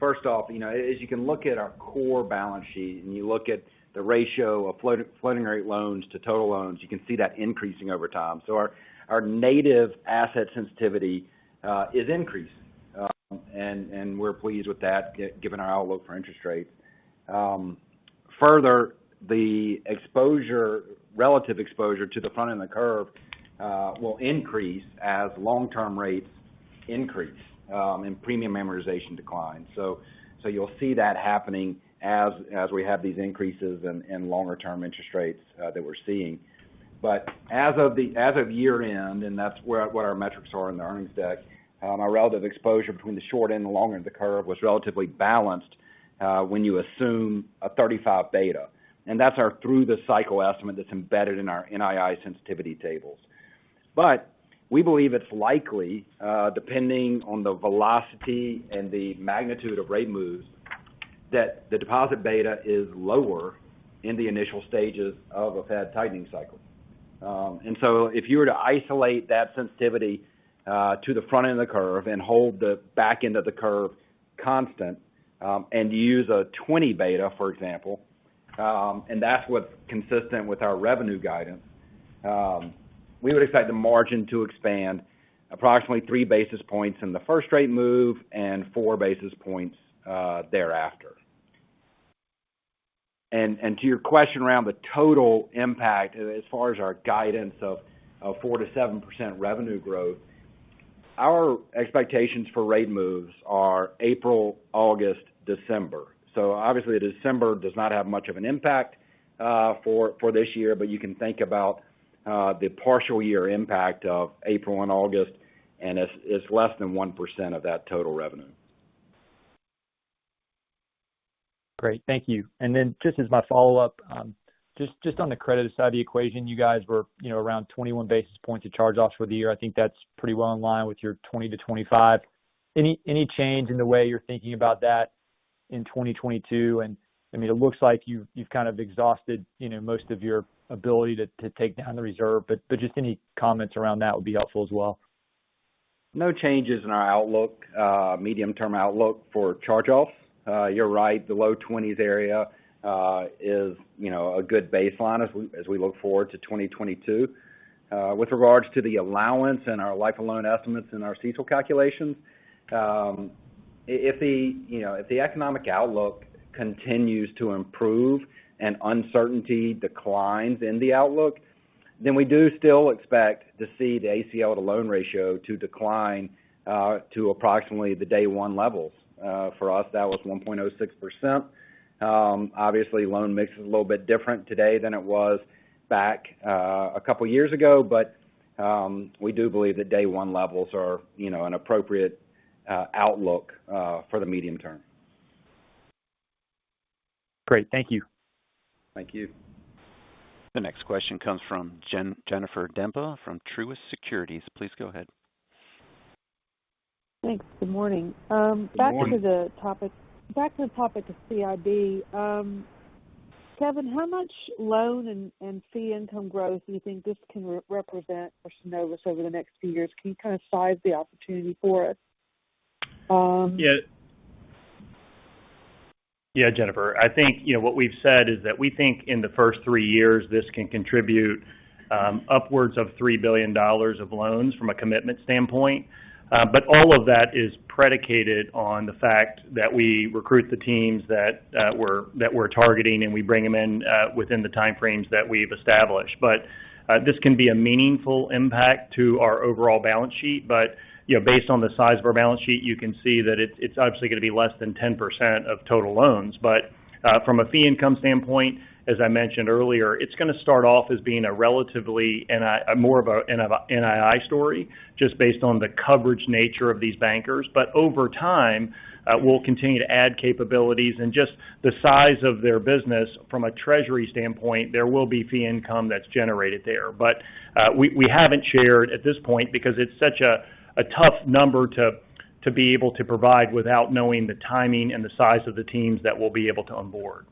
First off, you know, as you can look at our core balance sheet and you look at the ratio of floating-rate loans to total loans, you can see that increasing over time. Our native asset sensitivity is increasing. And we're pleased with that given our outlook for interest rates. Further, the relative exposure to the front and the curve will increase as long-term rates increase and premium amortization declines. You'll see that happening as we have these increases in longer term interest rates that we're seeing. As of year-end, and that's where our metrics are in the earnings deck, our relative exposure between the short and the long end of the curve was relatively balanced, when you assume a 35 beta, and that's our through the cycle estimate that's embedded in our NII sensitivity tables. We believe it's likely, depending on the velocity and the magnitude of rate moves, that the deposit beta is lower in the initial stages of a Fed tightening cycle. If you were to isolate that sensitivity to the front end of the curve and hold the back end of the curve constant, and use a 20 beta, for example, and that's what's consistent with our revenue guidance, we would expect the margin to expand approximately 3 basis points in the first rate move and 4 basis points thereafter. To your question around the total impact as far as our guidance of 4%-7% revenue growth, our expectations for rate moves are April, August, December. Obviously, December does not have much of an impact for this year, but you can think about the partial year impact of April and August, and it's less than 1% of that total revenue. Great. Thank you. Just as my follow-up, just on the credit side of the equation, you guys were, you know, around 21 basis points of charge-offs for the year. I think that's pretty well in line with your 20-25. Any change in the way you're thinking about that in 2022? I mean, it looks like you've kind of exhausted, you know, most of your ability to take down the reserve, but just any comments around that would be helpful as well. No changes in our outlook, medium-term outlook for charge-offs. You're right, the low 20s area is, you know, a good baseline as we look forward to 2022. With regards to the allowance and our life of loan estimates and our CECL calculations, if the, you know, if the economic outlook continues to improve and uncertainty declines in the outlook, then we do still expect to see the ACL to loan ratio to decline to approximately the day one levels. For us, that was 1.06%. Obviously, loan mix is a little bit different today than it was back a couple of years ago. We do believe that day one levels are, you know, an appropriate outlook for the medium term. Great. Thank you. Thank you. The next question comes from Jennifer Demba from Truist Securities. Please go ahead. Thanks. Good morning. Good morning. Back to the topic of CIB, Kevin, how much loan and fee income growth do you think this can represent for Synovus over the next few years? Can you kind of size the opportunity for us? Yeah. Yeah, Jennifer. I think, you know, what we've said is that we think in the first three years, this can contribute upwards of $3 billion of loans from a commitment standpoint. All of that is predicated on the fact that we recruit the teams that we're targeting, and we bring them in within the time frames that we've established. This can be a meaningful impact to our overall balance sheet. You know, based on the size of our balance sheet, you can see that it's obviously gonna be less than 10% of total loans. From a fee income standpoint, as I mentioned earlier, it's gonna start off as being a relatively more of an NII story just based on the coverage nature of these bankers. Over time, we'll continue to add capabilities and just the size of their business from a treasury standpoint, there will be fee income that's generated there. We haven't shared at this point because it's such a tough number to be able to provide without knowing the timing and the size of the teams that we'll be able to onboard.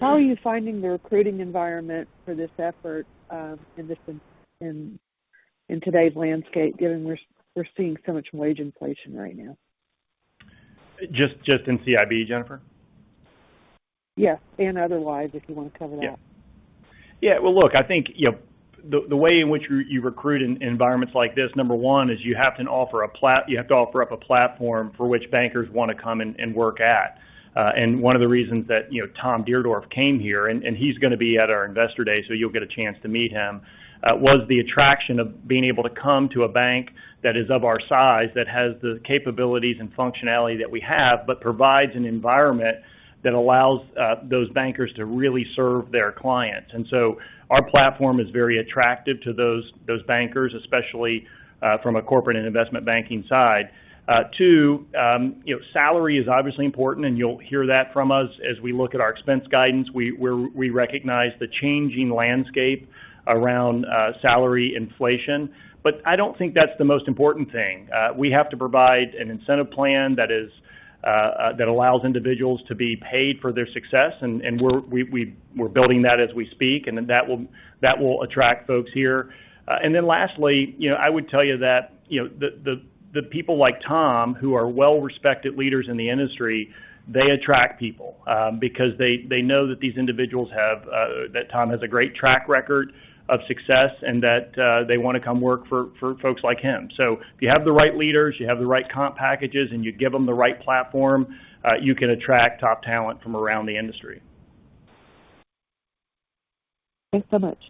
How are you finding the recruiting environment for this effort, in today's landscape, given we're seeing so much wage inflation right now? Just in CIB, Jennifer? Yes, otherwise, if you wanna cover that. Well, look, I think, you know, the way in which you recruit in environments like this, number one is you have to offer up a platform for which bankers wanna come and work at. One of the reasons that, you know, Tom Dierdorff came here, and he's gonna be at our Investor Day, so you'll get a chance to meet him was the attraction of being able to come to a bank that is of our size, that has the capabilities and functionality that we have, but provides an environment that allows those bankers to really serve their clients. Our platform is very attractive to those bankers, especially from a corporate and investment banking side. Too, you know, salary is obviously important, and you'll hear that from us as we look at our expense guidance. We recognize the changing landscape around salary inflation. I don't think that's the most important thing. We have to provide an incentive plan that allows individuals to be paid for their success, and we're building that as we speak, and then that will attract folks here. Lastly, you know, I would tell you that, you know, the people like Tom, who are well-respected leaders in the industry, they attract people because they know that Tom has a great track record of success and that they wanna come work for folks like him. If you have the right leaders, you have the right comp packages, and you give them the right platform, you can attract top talent from around the industry. Thanks so much.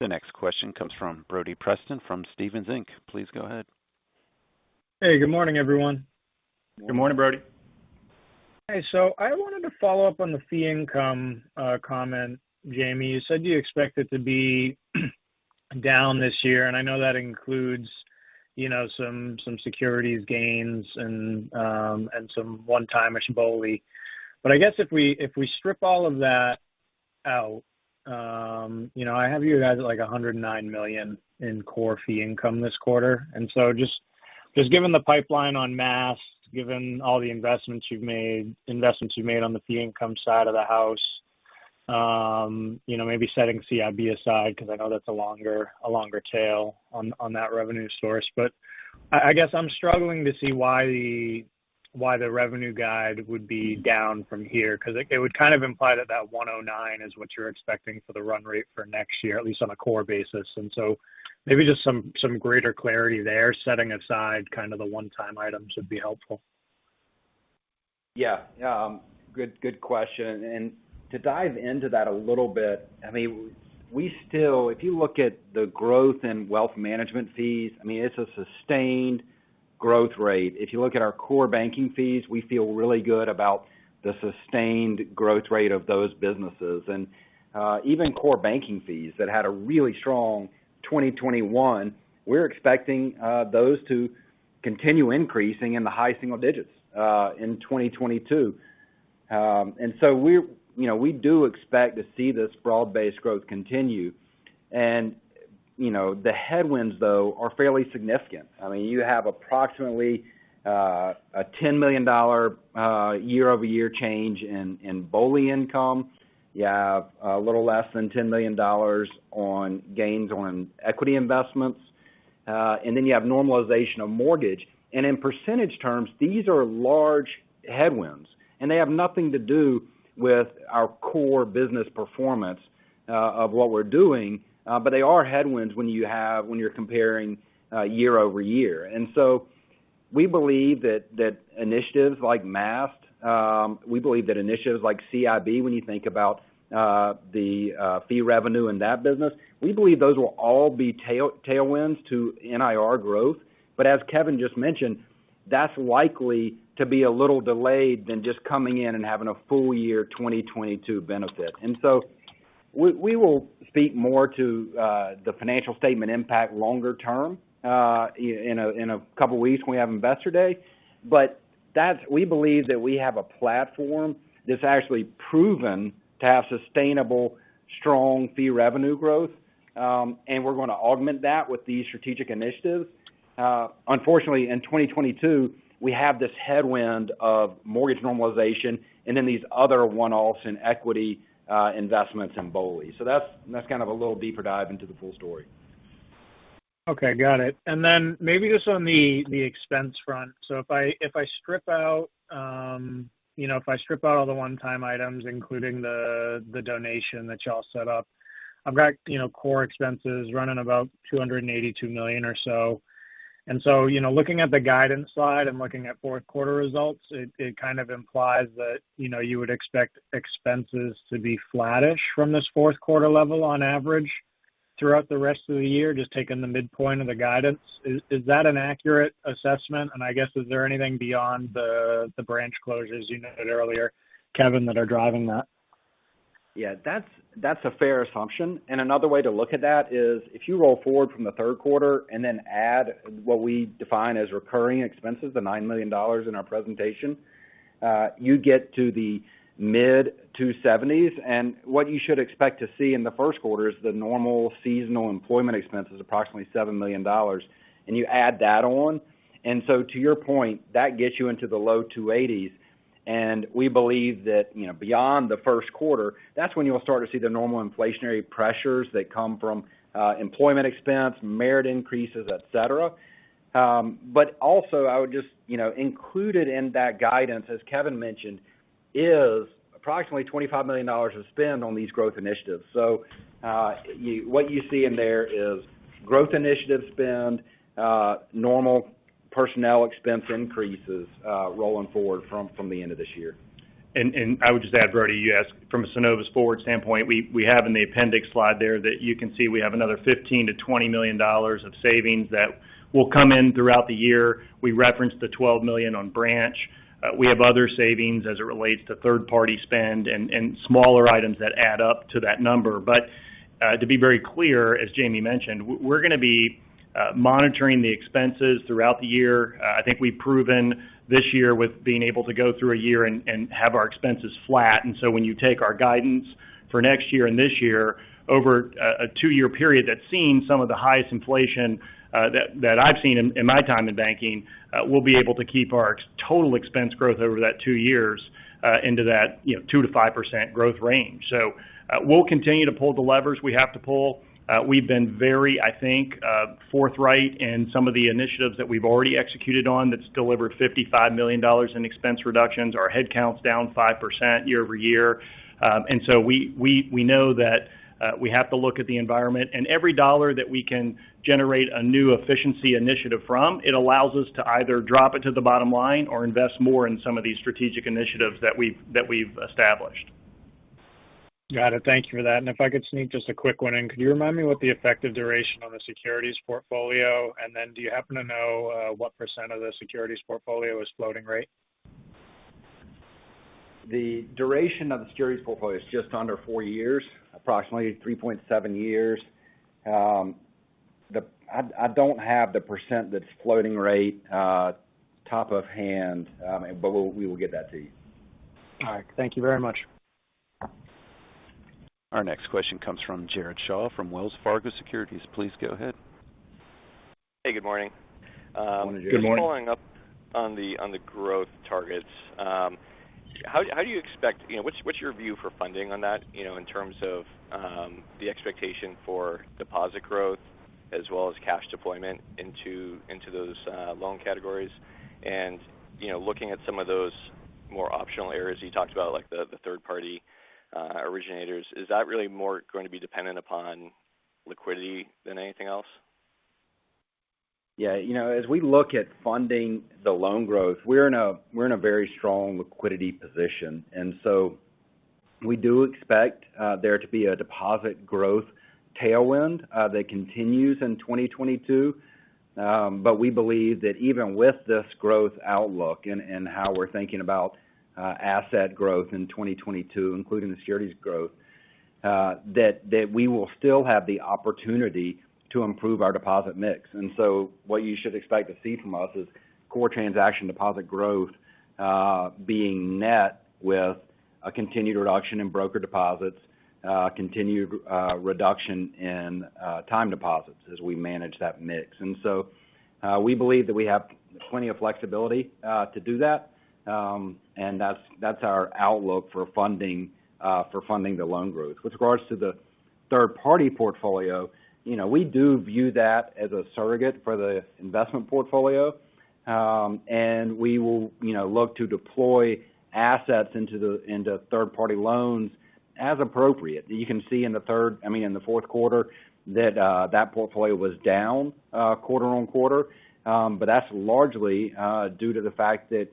The next question comes from Brody Preston from Stephens. Please go ahead. Hey, good morning, everyone. Good morning, Brody. Hey. I wanted to follow up on the fee income comment. Jamie, you said you expect it to be down this year, and I know that includes some securities gains and some one-time-ish BOLI. I guess if we strip all of that out, I have you guys at $109 million in core fee income this quarter. Just given the pipeline and Maast, given all the investments you've made on the fee income side of the house, maybe setting CIB aside because I know that's a longer tail on that revenue source. I guess I'm struggling to see why the revenue guide would be down from here because it would kind of imply that 109 is what you're expecting for the run rate for next year, at least on a core basis. Maybe just some greater clarity there, setting aside kind of the one-time items would be helpful. Yeah. Yeah. Good question. To dive into that a little bit, I mean, we still. If you look at the growth in wealth management fees, I mean, it's a sustained growth rate. If you look at our core banking fees, we feel really good about the sustained growth rate of those businesses. Even core banking fees that had a really strong 2021, we're expecting those to continue increasing in the high single digits in 2022. We you know, we do expect to see this broad-based growth continue. You know, the headwinds, though, are fairly significant. I mean, you have approximately a $10 million year-over-year change in BOLI income. You have a little less than $10 million on gains on equity investments, and then you have normalization of mortgage. In percentage terms, these are large headwinds, and they have nothing to do with our core business performance of what we're doing. They are headwinds when you're comparing year-over-year. We believe that initiatives like Maast, initiatives like CIB, when you think about the fee revenue in that business, those will all be tailwinds to NIR growth. As Kevin just mentioned, that's likely to be a little later than just coming in and having a full year 2022 benefit. We will speak more to the financial statement impact longer term in a couple weeks when we have Investor Day. We believe that we have a platform that's actually proven to have sustainable, strong fee revenue growth. We're gonna augment that with these strategic initiatives. Unfortunately, in 2022, we have this headwind of mortgage normalization and then these other one-offs in equity investments in BOLI. That's kind of a little deeper dive into the full story. Okay, got it. Then maybe just on the expense front. If I strip out all the one-time items, including the donation that y'all set up, I've got core expenses running about $282 million or so. Looking at the guidance slide and looking at fourth quarter results, it kind of implies that you would expect expenses to be flattish from this fourth quarter level on average throughout the rest of the year, just taking the midpoint of the guidance. Is that an accurate assessment? I guess, is there anything beyond the branch closures you noted earlier, Kevin, that are driving that? Yeah, that's a fair assumption. Another way to look at that is if you roll forward from the third quarter and then add what we define as recurring expenses, the $9 million in our presentation, you get to the mid-270s. What you should expect to see in the first quarter is the normal seasonal employment expenses, approximately $7 million, and you add that on. To your point, that gets you into the low-280s. We believe that, you know, beyond the first quarter, that's when you'll start to see the normal inflationary pressures that come from employment expense, merit increases, et cetera. But also, you know, included in that guidance, as Kevin mentioned, is approximately $25 million of spend on these growth initiatives. What you see in there is growth initiatives spend, normal personnel expense increases, rolling forward from the end of this year. I would just add, Brody, you asked from a Synovus Forward standpoint. We have in the appendix slide there that you can see we have another $15 million-$20 million of savings that will come in throughout the year. We referenced the $12 million on branch. We have other savings as it relates to third-party spend and smaller items that add up to that number. But to be very clear, as Jamie mentioned, we're gonna be monitoring the expenses throughout the year. I think we've proven this year with being able to go through a year and have our expenses flat. When you take our guidance for next year and this year over a two-year period that's seen some of the highest inflation that I've seen in my time in banking, we'll be able to keep our total expense growth over that two years into that, you know, 2%-5% growth range. We'll continue to pull the levers we have to pull. We've been very, I think, forthright in some of the initiatives that we've already executed on that's delivered $55 million in expense reductions. Our head count's down 5% year-over-year. We know that we have to look at the environment. Every dollar that we can generate a new efficiency initiative from, it allows us to either drop it to the bottom line or invest more in some of these strategic initiatives that we've established. Got it. Thank you for that. If I could sneak just a quick one in. Could you remind me what the effective duration on the securities portfolio? Then do you happen to know what percentage of the securities portfolio is floating rate? The duration of the securities portfolio is just under 4 years, approximately 3.7 years. I don't have the percent that's floating rate off the top of my head, but we'll get that to you. All right. Thank you very much. Our next question comes from Jared Shaw from Wells Fargo Securities. Please go ahead. Hey, good morning. Good morning. Just following up on the growth targets. How do you expect? You know, what's your view for funding on that, you know, in terms of the expectation for deposit growth as well as cash deployment into those loan categories? You know, looking at some of those more optional areas you talked about, like the third party originators, is that really more going to be dependent upon liquidity than anything else? Yeah. You know, as we look at funding the loan growth, we're in a very strong liquidity position, and so we do expect there to be a deposit growth tailwind that continues in 2022. But we believe that even with this growth outlook and how we're thinking about asset growth in 2022, including the securities growth, that we will still have the opportunity to improve our deposit mix. What you should expect to see from us is core transaction deposit growth, being net with a continued reduction in broker deposits, continued reduction in time deposits as we manage that mix. We believe that we have plenty of flexibility to do that. That's our outlook for funding the loan growth. With regards to the third party portfolio, you know, we do view that as a surrogate for the investment portfolio. We will, you know, look to deploy assets in the third party loans as appropriate. You can see, I mean, in the fourth quarter that that portfolio was down quarter-over-quarter. That's largely due to the fact that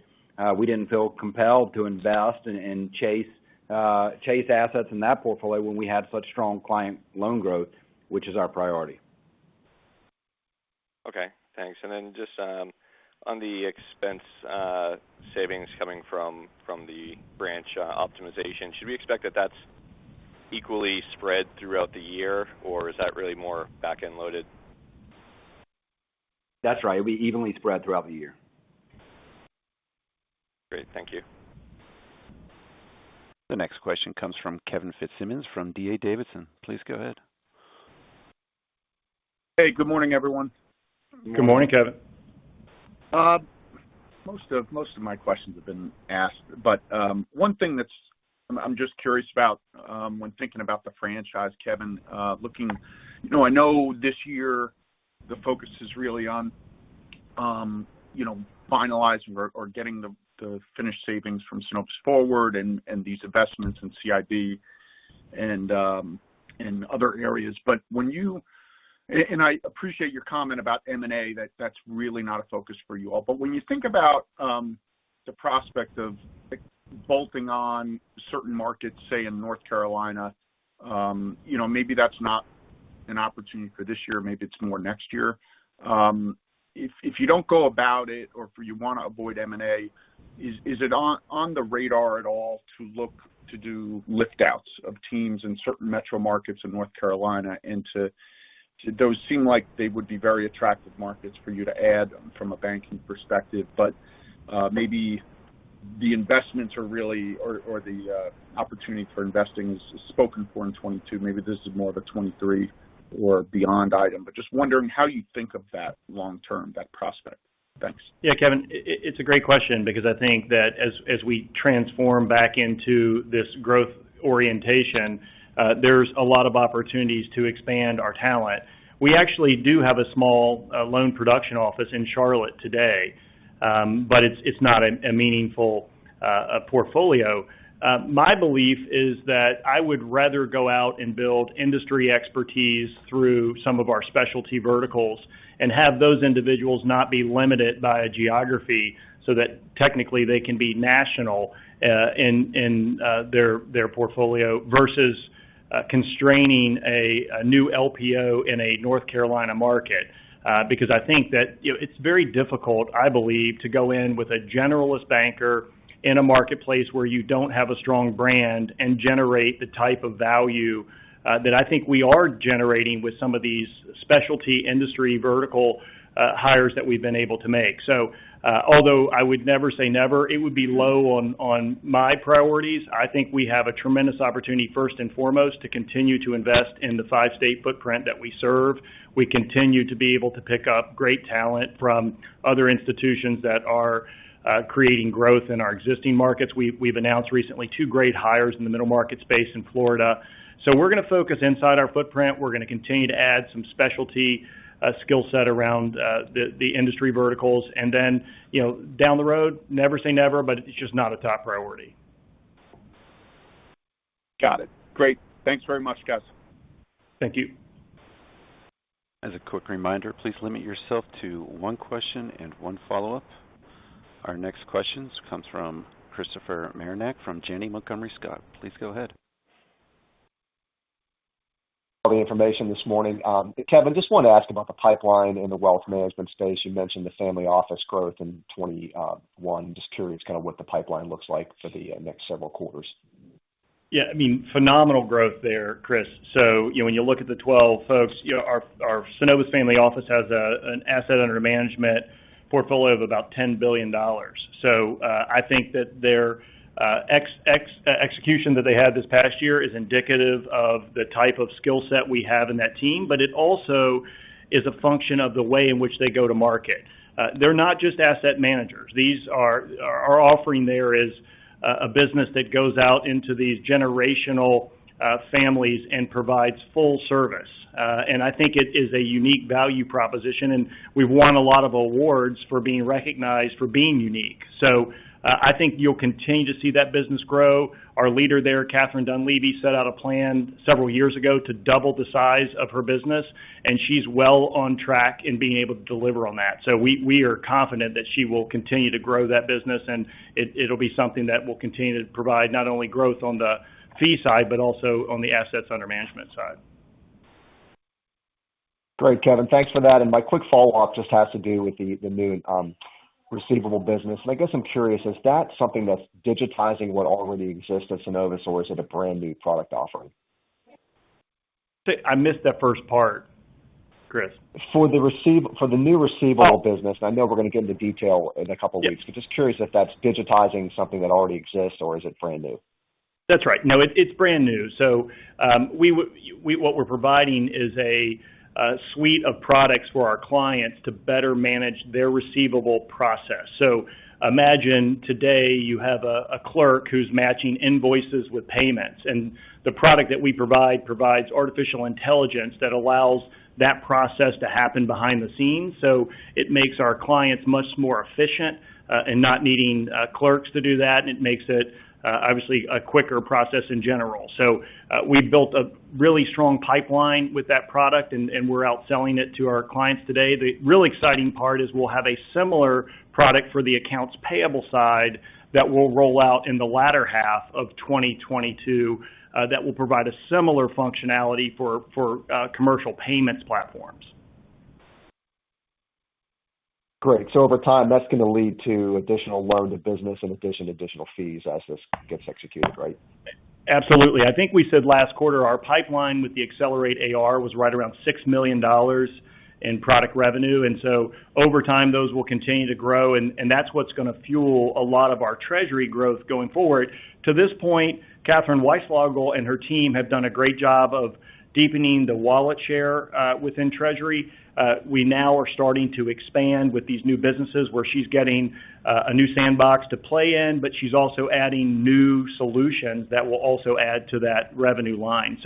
we didn't feel compelled to invest and chase assets in that portfolio when we had such strong client loan growth, which is our priority. Okay. Thanks. Just on the expense savings coming from the branch optimization, should we expect that's equally spread throughout the year, or is that really more back-end loaded? That's right. It'll be evenly spread throughout the year. Great. Thank you. The next question comes from Kevin Fitzsimmons from D.A. Davidson. Please go ahead. Hey, good morning, everyone. Good morning. Good morning, Kevin. Most of my questions have been asked. One thing that's, I'm just curious about when thinking about the franchise, Kevin, looking. You know, I know this year the focus is really on you know finalizing or getting the finished savings from Synovus Forward and these investments in CIB and other areas. I appreciate your comment about M&A, that's really not a focus for you all. When you think about the prospect of bolting on certain markets, say, in North Carolina, you know, maybe that's not an opportunity for this year, maybe it's more next year. If you don't go about it or if you wanna avoid M&A, is it on the radar at all to look to do lift outs of teams in certain metro markets in North Carolina? Those seem like they would be very attractive markets for you to add from a banking perspective. Maybe the opportunity for investing is spoken for in 2022. Maybe this is more of a 2023 or beyond item. Just wondering how you think of that long term, that prospect. Thanks. Yeah. Kevin, it's a great question because I think that as we transform back into this growth orientation, there's a lot of opportunities to expand our talent. We actually do have a small loan production office in Charlotte today. But it's not a meaningful portfolio. My belief is that I would rather go out and build industry expertise through some of our specialty verticals and have those individuals not be limited by a geography so that technically they can be national in their portfolio versus constraining a new LPO in a North Carolina market. Because I think that, you know, it's very difficult, I believe, to go in with a generalist banker in a marketplace where you don't have a strong brand and generate the type of value that I think we are generating with some of these specialty industry vertical hires that we've been able to make. Although I would never say never, it would be low on my priorities. I think we have a tremendous opportunity, first and foremost, to continue to invest in the five-state footprint that we serve. We continue to be able to pick up great talent from other institutions that are creating growth in our existing markets. We've announced recently two great hires in the middle market space in Florida. We're gonna focus inside our footprint. We're gonna continue to add some specialty skill set around the industry verticals. You know, down the road, never say never, but it's just not a top priority. Got it. Great. Thanks very much, guys. Thank you. As a quick reminder, please limit yourself to one question and one follow-up. Our next question comes from Christopher Marinac from Janney Montgomery Scott. Please go ahead. All the information this morning. Kevin, just want to ask about the pipeline in the wealth management space. You mentioned The Family Office growth in 2021. Just curious kind of what the pipeline looks like for the next several quarters. Yeah, I mean, phenomenal growth there, Chris. You know, when you look at the 12 folks, you know, our Synovus Family Office has an assets under management portfolio of about $10 billion. I think that their execution that they had this past year is indicative of the type of skill set we have in that team. But it also is a function of the way in which they go to market. They're not just asset managers. Our offering there is a business that goes out into these generational families and provides full service. I think it is a unique value proposition, and we've won a lot of awards for being recognized for being unique. I think you'll continue to see that business grow. Our leader there, Katherine Dunlevie, set out a plan several years ago to double the size of her business, and she's well on track in being able to deliver on that. We are confident that she will continue to grow that business, and it'll be something that will continue to provide not only growth on the fee side, but also on the assets under management side. Great, Kevin. Thanks for that. My quick follow-up just has to do with the new receivable business. I guess I'm curious, is that something that's digitizing what already exists at Synovus, or is it a brand-new product offering? I missed that first part, Chris. For the new receivable business, I know we're gonna get into detail in a couple weeks. Yep. Just curious if that's digitizing something that already exists or is it brand new? That's right. No, it's brand new. What we're providing is a suite of products for our clients to better manage their receivable process. Imagine today you have a clerk who's matching invoices with payments, and the product that we provide provides artificial intelligence that allows that process to happen behind the scenes. It makes our clients much more efficient in not needing clerks to do that. And it makes it obviously a quicker process in general. We've built a really strong pipeline with that product and we're out selling it to our clients today. The really exciting part is we'll have a similar product for the accounts payable side that we'll roll out in the latter half of 2022 that will provide a similar functionality for commercial payments platforms. Great. Over time, that's gonna lead to additional loan to business and additional fees as this gets executed, right? Absolutely. I think we said last quarter our pipeline with the Accelerate AR was right around $6 million in product revenue. Over time, those will continue to grow and that's what's gonna fuel a lot of our treasury growth going forward. To this point, Katherine Weislogel and her team have done a great job of deepening the wallet share within treasury. We now are starting to expand with these new businesses where she's getting a new sandbox to play in, but she's also adding new solutions that will also add to that revenue line.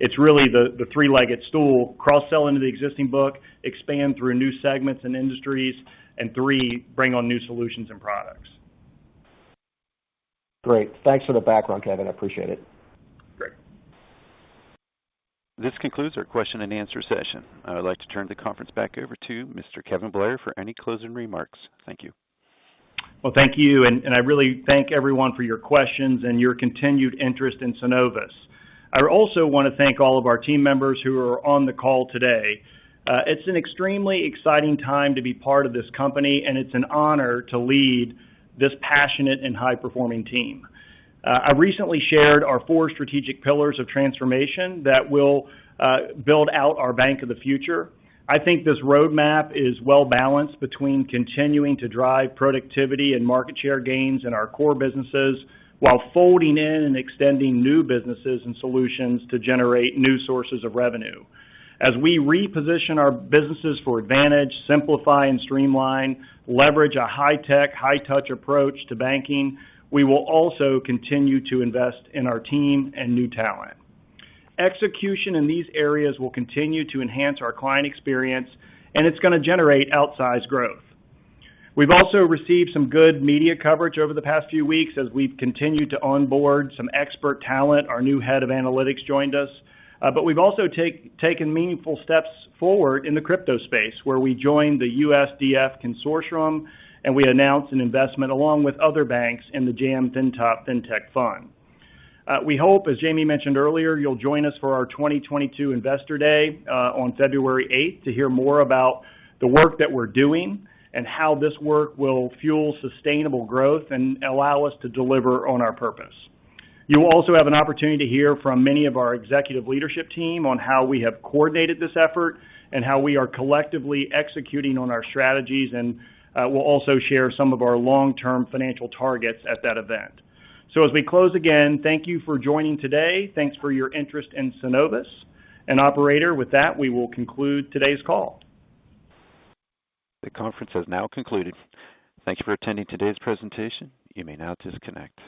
It's really the three-legged stool cross-sell into the existing book, expand through new segments and industries, and three, bring on new solutions and products. Great. Thanks for the background, Kevin. I appreciate it. Great. This concludes our question and answer session. I would like to turn the conference back over to Mr. Kevin Blair for any closing remarks. Thank you. Well, thank you. I really thank everyone for your questions and your continued interest in Synovus. I also want to thank all of our team members who are on the call today. It's an extremely exciting time to be part of this company, and it's an honor to lead this passionate and high-performing team. I recently shared our four strategic pillars of transformation that will build out our bank of the future. I think this roadmap is well-balanced between continuing to drive productivity and market share gains in our core businesses while folding in and extending new businesses and solutions to generate new sources of revenue. As we reposition our businesses for advantage, simplify and streamline, leverage a high-tech, high touch approach to banking, we will also continue to invest in our team and new talent. Execution in these areas will continue to enhance our client experience, and it's gonna generate outsized growth. We've also received some good media coverage over the past few weeks as we've continued to onboard some expert talent. Our new head of analytics joined us. But we've also taken meaningful steps forward in the crypto space, where we joined the USDF Consortium, and we announced an investment along with other banks in the JAM FINTOP Banktech Fund. We hope, as Jamie mentioned earlier, you'll join us for our 2022 Investor Day on February 8th to hear more about the work that we're doing and how this work will fuel sustainable growth and allow us to deliver on our purpose. You will also have an opportunity to hear from many of our executive leadership team on how we have coordinated this effort and how we are collectively executing on our strategies, and we'll also share some of our long-term financial targets at that event. As we close again, thank you for joining today. Thanks for your interest in Synovus. Operator, with that, we will conclude today's call. The conference has now concluded. Thank you for attending today's presentation. You may now disconnect.